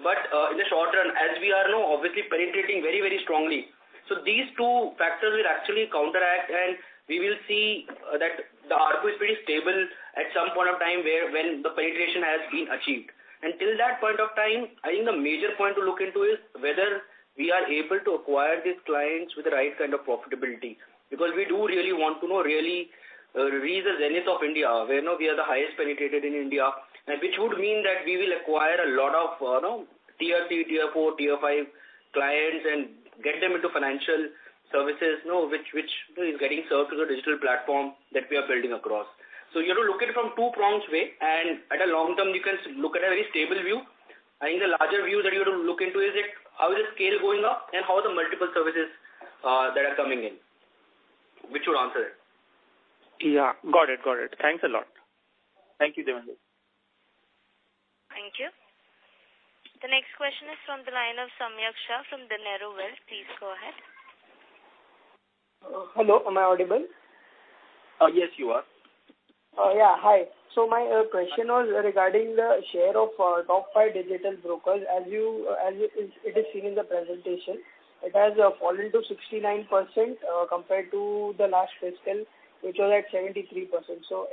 In the short run, as we are now obviously penetrating very strongly. These two factors will actually counteract, and we will see, that the ARPU is pretty stable at some point of time when the penetration has been achieved. Till that point of time, I think the major point to look into is whether we are able to acquire these clients with the right kind of profitability. Because we do really want to, you know, really reach the zenith of India, where, you know, we are the highest penetration in India, and which would mean that we will acquire a lot of, you know, Tier 3, Tier 4, Tier 5 clients and get them into financial services, you know, which is getting served through the digital platform that we are building across. You have to look at it from a two-pronged way, and in the long term you can look at a very stable view. I think the larger view that you have to look into is how the scale is going up and how the multiple services that are coming in. Which would answer it. Yeah. Got it. Thanks a lot. Thank you, Devender. Thank you. The next question is from the line of Samyak Shah from Dinero Wealth. Please go ahead. Hello, am I audible? Yes, you are. Yeah. Hi. My question was regarding the share of top five digital brokers. As it is seen in the presentation, it has fallen to 69%, compared to the last fiscal, which was at 73%.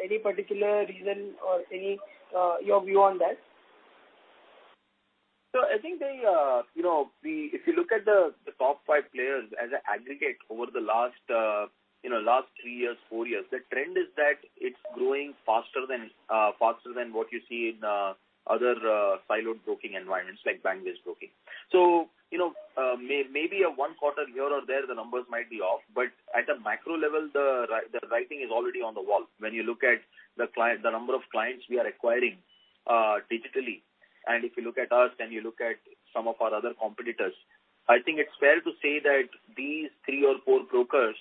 Any particular reason or any your view on that? I think they, you know, if you look at the top five players as an aggregate over the last three years, four years, the trend is that it's growing faster than what you see in other siloed broking environments like bank-based broking. You know, maybe a one quarter here or there, the numbers might be off, but at a macro level, the writing is already on the wall. When you look at the number of clients we are acquiring digitally, and if you look at us and you look at some of our other competitors, I think it's fair to say that these three or four brokers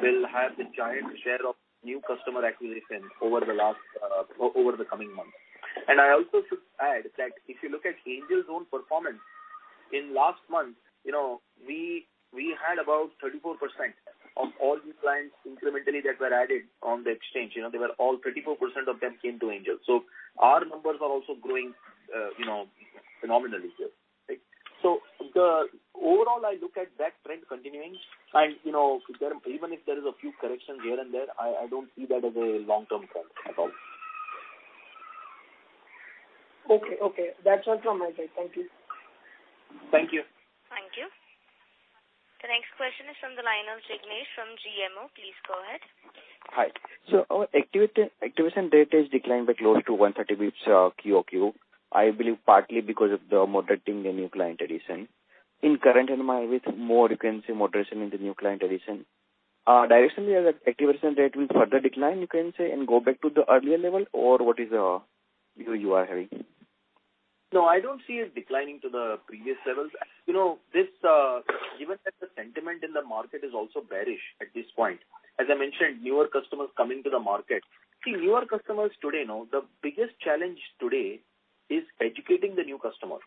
will have the giant share of new customer acquisition over the coming months. I also should add that if you look at Angel's own performance in last month, you know, we had about 34% of all new clients incrementally that were added on the exchange. You know, 34% of them came to Angel. Our numbers are also growing, you know, phenomenally here, right? Overall, I look at that trend continuing and, you know, even if there is a few corrections here and there, I don't see that as a long-term problem at all. Okay. That's all from my side. Thank you. Thank you. Thank you. The next question is from the line of Jignesh from GMO. Please go ahead. Hi. Our activation rate has declined by close to 130% QoQ, I believe partly because of the moderation in the new client addition. In current environment you can see moderation in the new client addition. Directionally as an activation rate will further decline, you can say, and go back to the earlier level or what is the view you are having? No, I don't see it declining to the previous levels. You know, this, given that the sentiment in the market is also bearish at this point, as I mentioned, newer customers coming to the market. See, newer customers today know the biggest challenge today is educating the new customer.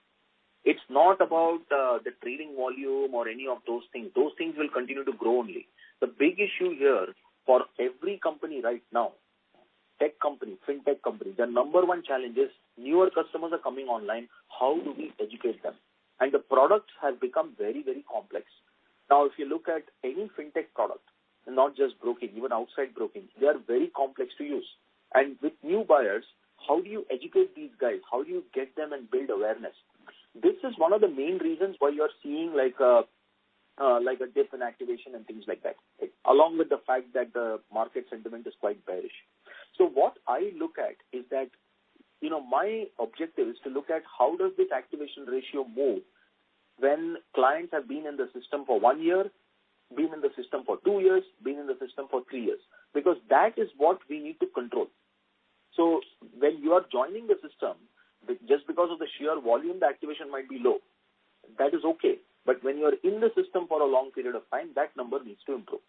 It's not about the trading volume or any of those things. Those things will continue to grow only. The big issue here for every company right now, tech company, fintech company, their number one challenge is newer customers are coming online, how do we educate them? The products have become very, very complex. Now, if you look at any fintech product, not just broking, even outside broking, they are very complex to use. With new buyers, how do you educate these guys? How do you get them and build awareness? This is one of the main reasons why you're seeing like a dip in activation and things like that, right? Along with the fact that the market sentiment is quite bearish. What I look at is that, you know, my objective is to look at how does this activation ratio move when clients have been in the system for one year, been in the system for two years, been in the system for three years. Because that is what we need to control. When you are joining the system, just because of the sheer volume, the activation might be low. That is okay. But when you are in the system for a long period of time, that number needs to improve.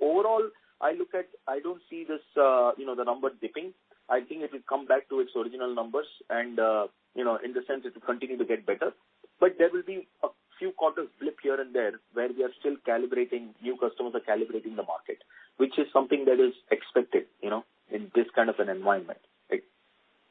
Overall, I look at, I don't see this, you know, the number dipping. I think it will come back to its original numbers and, you know, in the sense it will continue to get better. But there will be a few quarters blip here and there where we are still calibrating, new customers are calibrating the market, which is something that is expected, you know, in this kind of an environment. Right.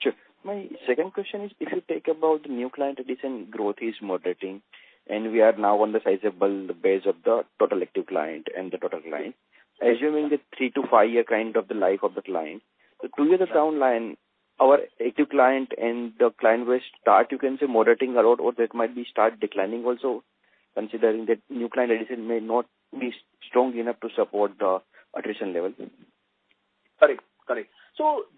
Sure. My second question is, if you think about the new client addition growth is moderating, and we are now on the sizable base of the total active client and the total client. Assuming the thee to five-year kind of the life of the client, so through the down line our active client and the client base start, you can say, moderating a lot or that might be start declining also, considering that new client addition may not be strong enough to support the attrition level. Correct.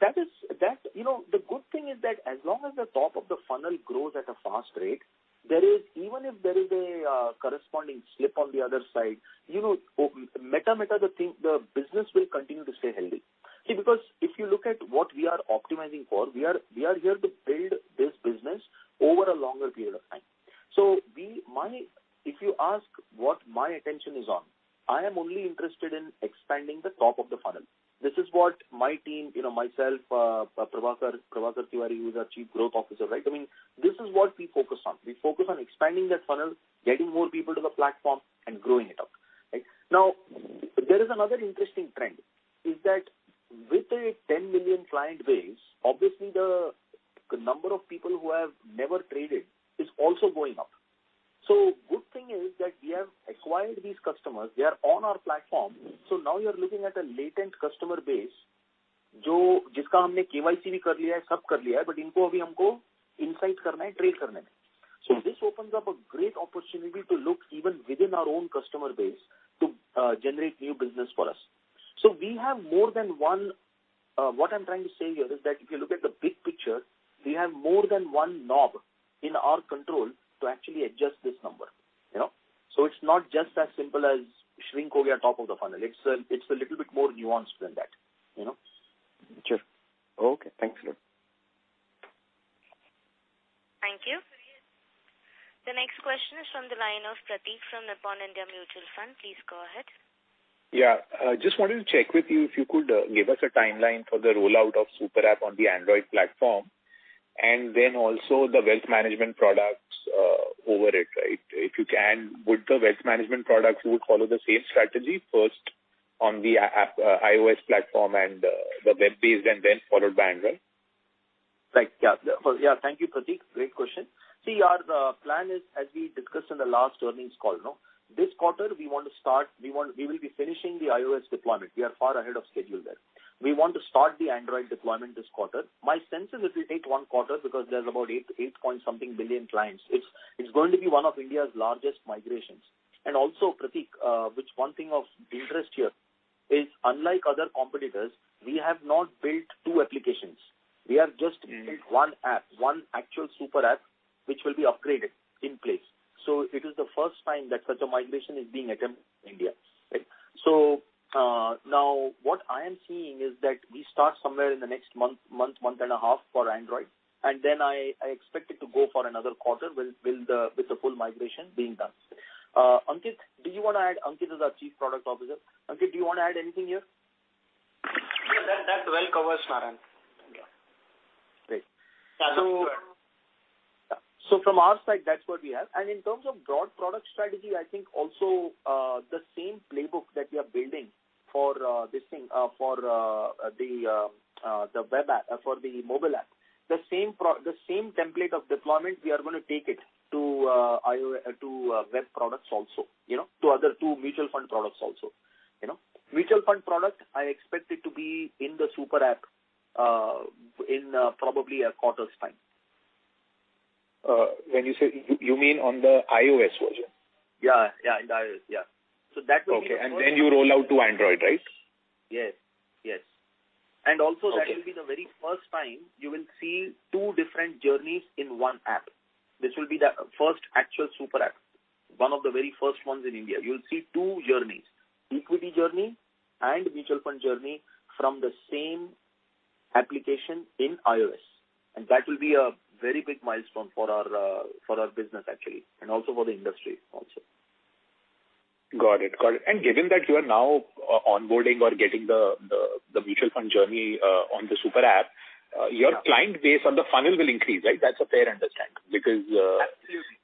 That is that you know, the good thing is that as long as the top of the funnel grows at a fast rate, there is even if there is a corresponding slip on the other side, you know, net-net the thing, the business will continue to stay healthy. See, because if you look at what we are optimizing for, we are here to build this business over a longer period of time. If you ask what my attention is on, I am only interested in expanding the top of the funnel. This is what my team, you know, myself, Prabhakar Tiwari, who is our Chief Growth Officer, right? I mean, this is what we focus on. We focus on expanding that funnel, getting more people to the platform and growing it up. Right? Now, there is another interesting trend is that with a 10 million client base, obviously the number of people who have never traded is also going up. Good thing is that we have acquired these customers, they are on our platform, so now you're looking at a latent customer base. This opens up a great opportunity to look even within our own customer base to generate new business for us. What I'm trying to say here is that if you look at the big picture, we have more than one knob in our control to actually adjust this number, you know? It's not just as simple as shrinking the top of the funnel. It's a little bit more nuanced than that, you know? Sure. Okay. Thanks a lot. Thank you. The next question is from the line of Pratik from Nippon India Mutual Fund. Please go ahead. Yeah. Just wanted to check with you if you could give us a timeline for the rollout of Super App on the Android platform, and then also the wealth management products over it, right? If you can, would the wealth management products follow the same strategy first on the app, iOS platform and the web-based and then followed by Android? Right. Yeah. Thank you, Pratik. Great question. See, our plan is, as we discussed in the last earnings call, no? This quarter we will be finishing the iOS deployment. We are far ahead of schedule there. We want to start the Android deployment this quarter. My sense is it will take one quarter because there's about eight point something billion clients. It's going to be one of India's largest migrations. Also, Pratik, one thing of interest here is unlike other competitors, we have not built two applications. We have just- Mm-hmm. built one app, one actual Super App, which will be upgraded in place. It is the first time that such a migration is being attempted in India, right? Now what I am seeing is that we start somewhere in the next month and a half for Android, and then I expect it to go for another quarter with the full migration being done. Ankit, do you wanna add? Ankit is our Chief Product Officer. Ankit, do you wanna add anything here? Yeah. That well covers, Narayan. Thank you. Great. Yeah. Sure. From our side, that's what we have. In terms of broad product strategy, I think also the same playbook that we are building for this thing for the mobile app. The same template of deployment, we are gonna take it to iOS to web products also, you know, to other two mutual fund products also, you know. Mutual fund product, I expect it to be in the Super App in probably a quarter's time. When you say, you mean on the iOS version? Yeah, in the iOS. Yeah. That will be the first- Okay. You roll out to Android, right? Yes, yes. Okay. That will be the very first time you will see two different journeys in one app. This will be the first actual Super App, one of the very first ones in India. You'll see two journeys: equity journey and mutual fund journey from the same application in iOS. That will be a very big milestone for our, for our business actually, and also for the industry also. Got it. Given that you are now onboarding or getting the mutual fund journey on the Super App. Yeah. your client base on the funnel will increase, right? That's a fair understanding because, Absolutely.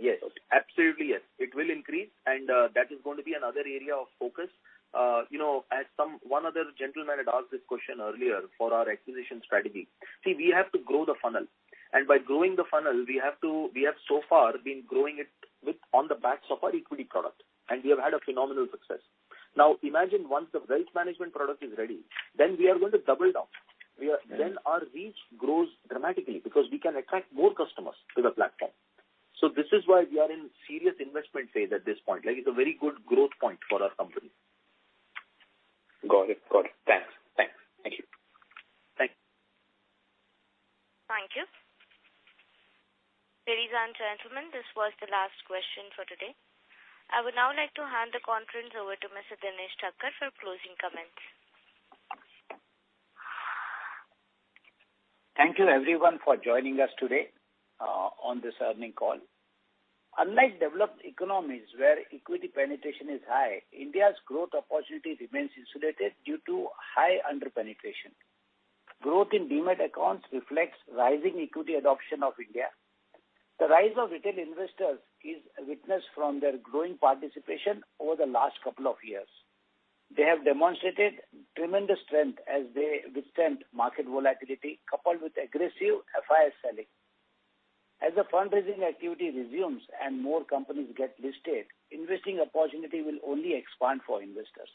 Yes. Okay. Absolutely, yes. It will increase, and that is going to be another area of focus. You know, as someone had asked this question earlier for our acquisition strategy. See, we have to grow the funnel, and by growing the funnel, we have so far been growing it on the backs of our equity product, and we have had a phenomenal success. Now, imagine once the wealth management product is ready, then we are going to double it up. We are. Mm-hmm. Our reach grows dramatically because we can attract more customers to the platform. This is why we are in serious investment phase at this point. Like, it's a very good growth point for our company. Got it. Thanks. Thank you. Thanks. Thank you. Ladies and gentlemen, this was the last question for today. I would now like to hand the conference over to Mr. Dinesh Thakkar for closing comments. Thank you everyone for joining us today, on this earnings call. Unlike developed economies where equity penetration is high, India's growth opportunity remains insulated due to high under-penetration. Growth in Demat accounts reflects rising equity adoption in India. The rise of retail investors is witnessed from their growing participation over the last couple of years. They have demonstrated tremendous strength as they withstand market volatility coupled with aggressive FIIs selling. As the fundraising activity resumes and more companies get listed, investment opportunities will only expand for investors.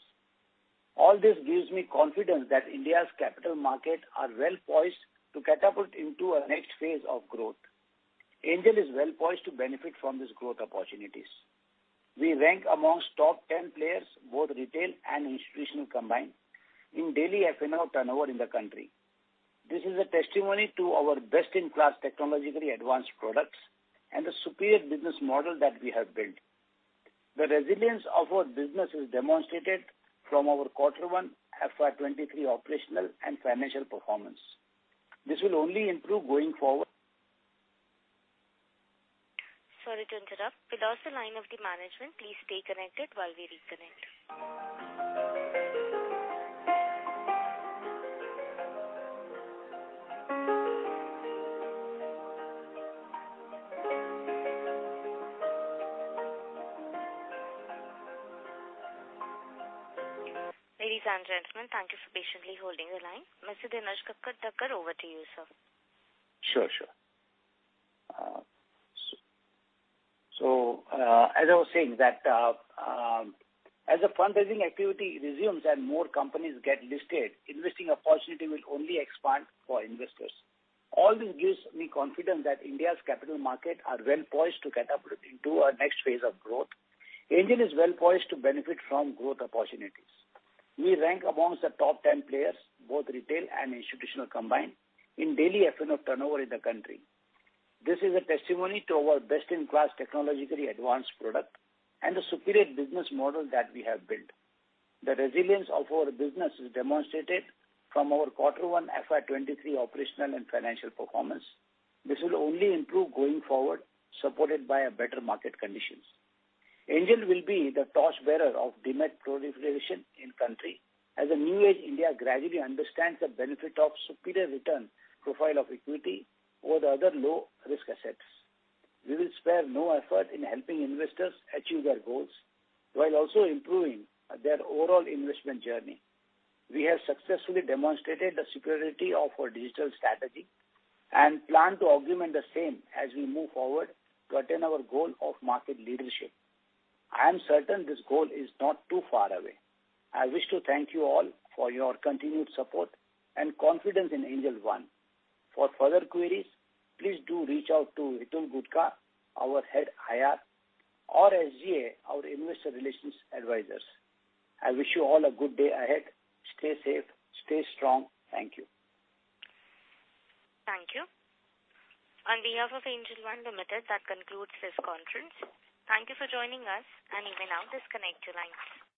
All this gives me confidence that India's capital markets are well-poised to catapult into the next phase of growth. Angel is well-poised to benefit from these growth opportunities. We rank amongst the top ten players, both retail and institutional combined, in daily F&O turnover in the country. This is a testimony to our best-in-class technologically advanced products and the superior business model that we have built. The resilience of our business is demonstrated from our Q1 FY 2023 operational and financial performance. This will only improve going forward. Sorry to interrupt. We lost the line of the management. Please stay connected while we reconnect. Ladies and gentlemen, thank you for patiently holding the line. Mr. Dinesh Thakkar, over to you, sir. Sure. As I was saying that as the fundraising activity resumes and more companies get listed, investment opportunities will only expand for investors. All this gives me confidence that India's capital markets are well-poised to catapult into a next phase of growth. Angel One is well-poised to benefit from growth opportunities. We rank amongst the top 10 players, both retail and institutional combined, in daily F&O turnover in the country. This is a testimony to our best-in-class technologically advanced product and the superior business model that we have built. The resilience of our business is demonstrated from our Q1 FY 2023 operational and financial performance. This will only improve going forward, supported by better market conditions. Angel will be the torchbearer of Demat proliferation in country as a new age India gradually understands the benefit of superior return profile of equity over the other low-risk assets. We will spare no effort in helping investors achieve their goals while also improving their overall investment journey. We have successfully demonstrated the superiority of our digital strategy and plan to augment the same as we move forward to attain our goal of market leadership. I am certain this goal is not too far away. I wish to thank you all for your continued support and confidence in Angel One. For further queries, please do reach out to Hitul Gutka, our head IR, or SGA, our investor relations advisors. I wish you all a good day ahead. Stay safe. Stay strong. Thank you. Thank you. On behalf of Angel One Limited, that concludes this conference. Thank you for joining us, and you may now disconnect your lines.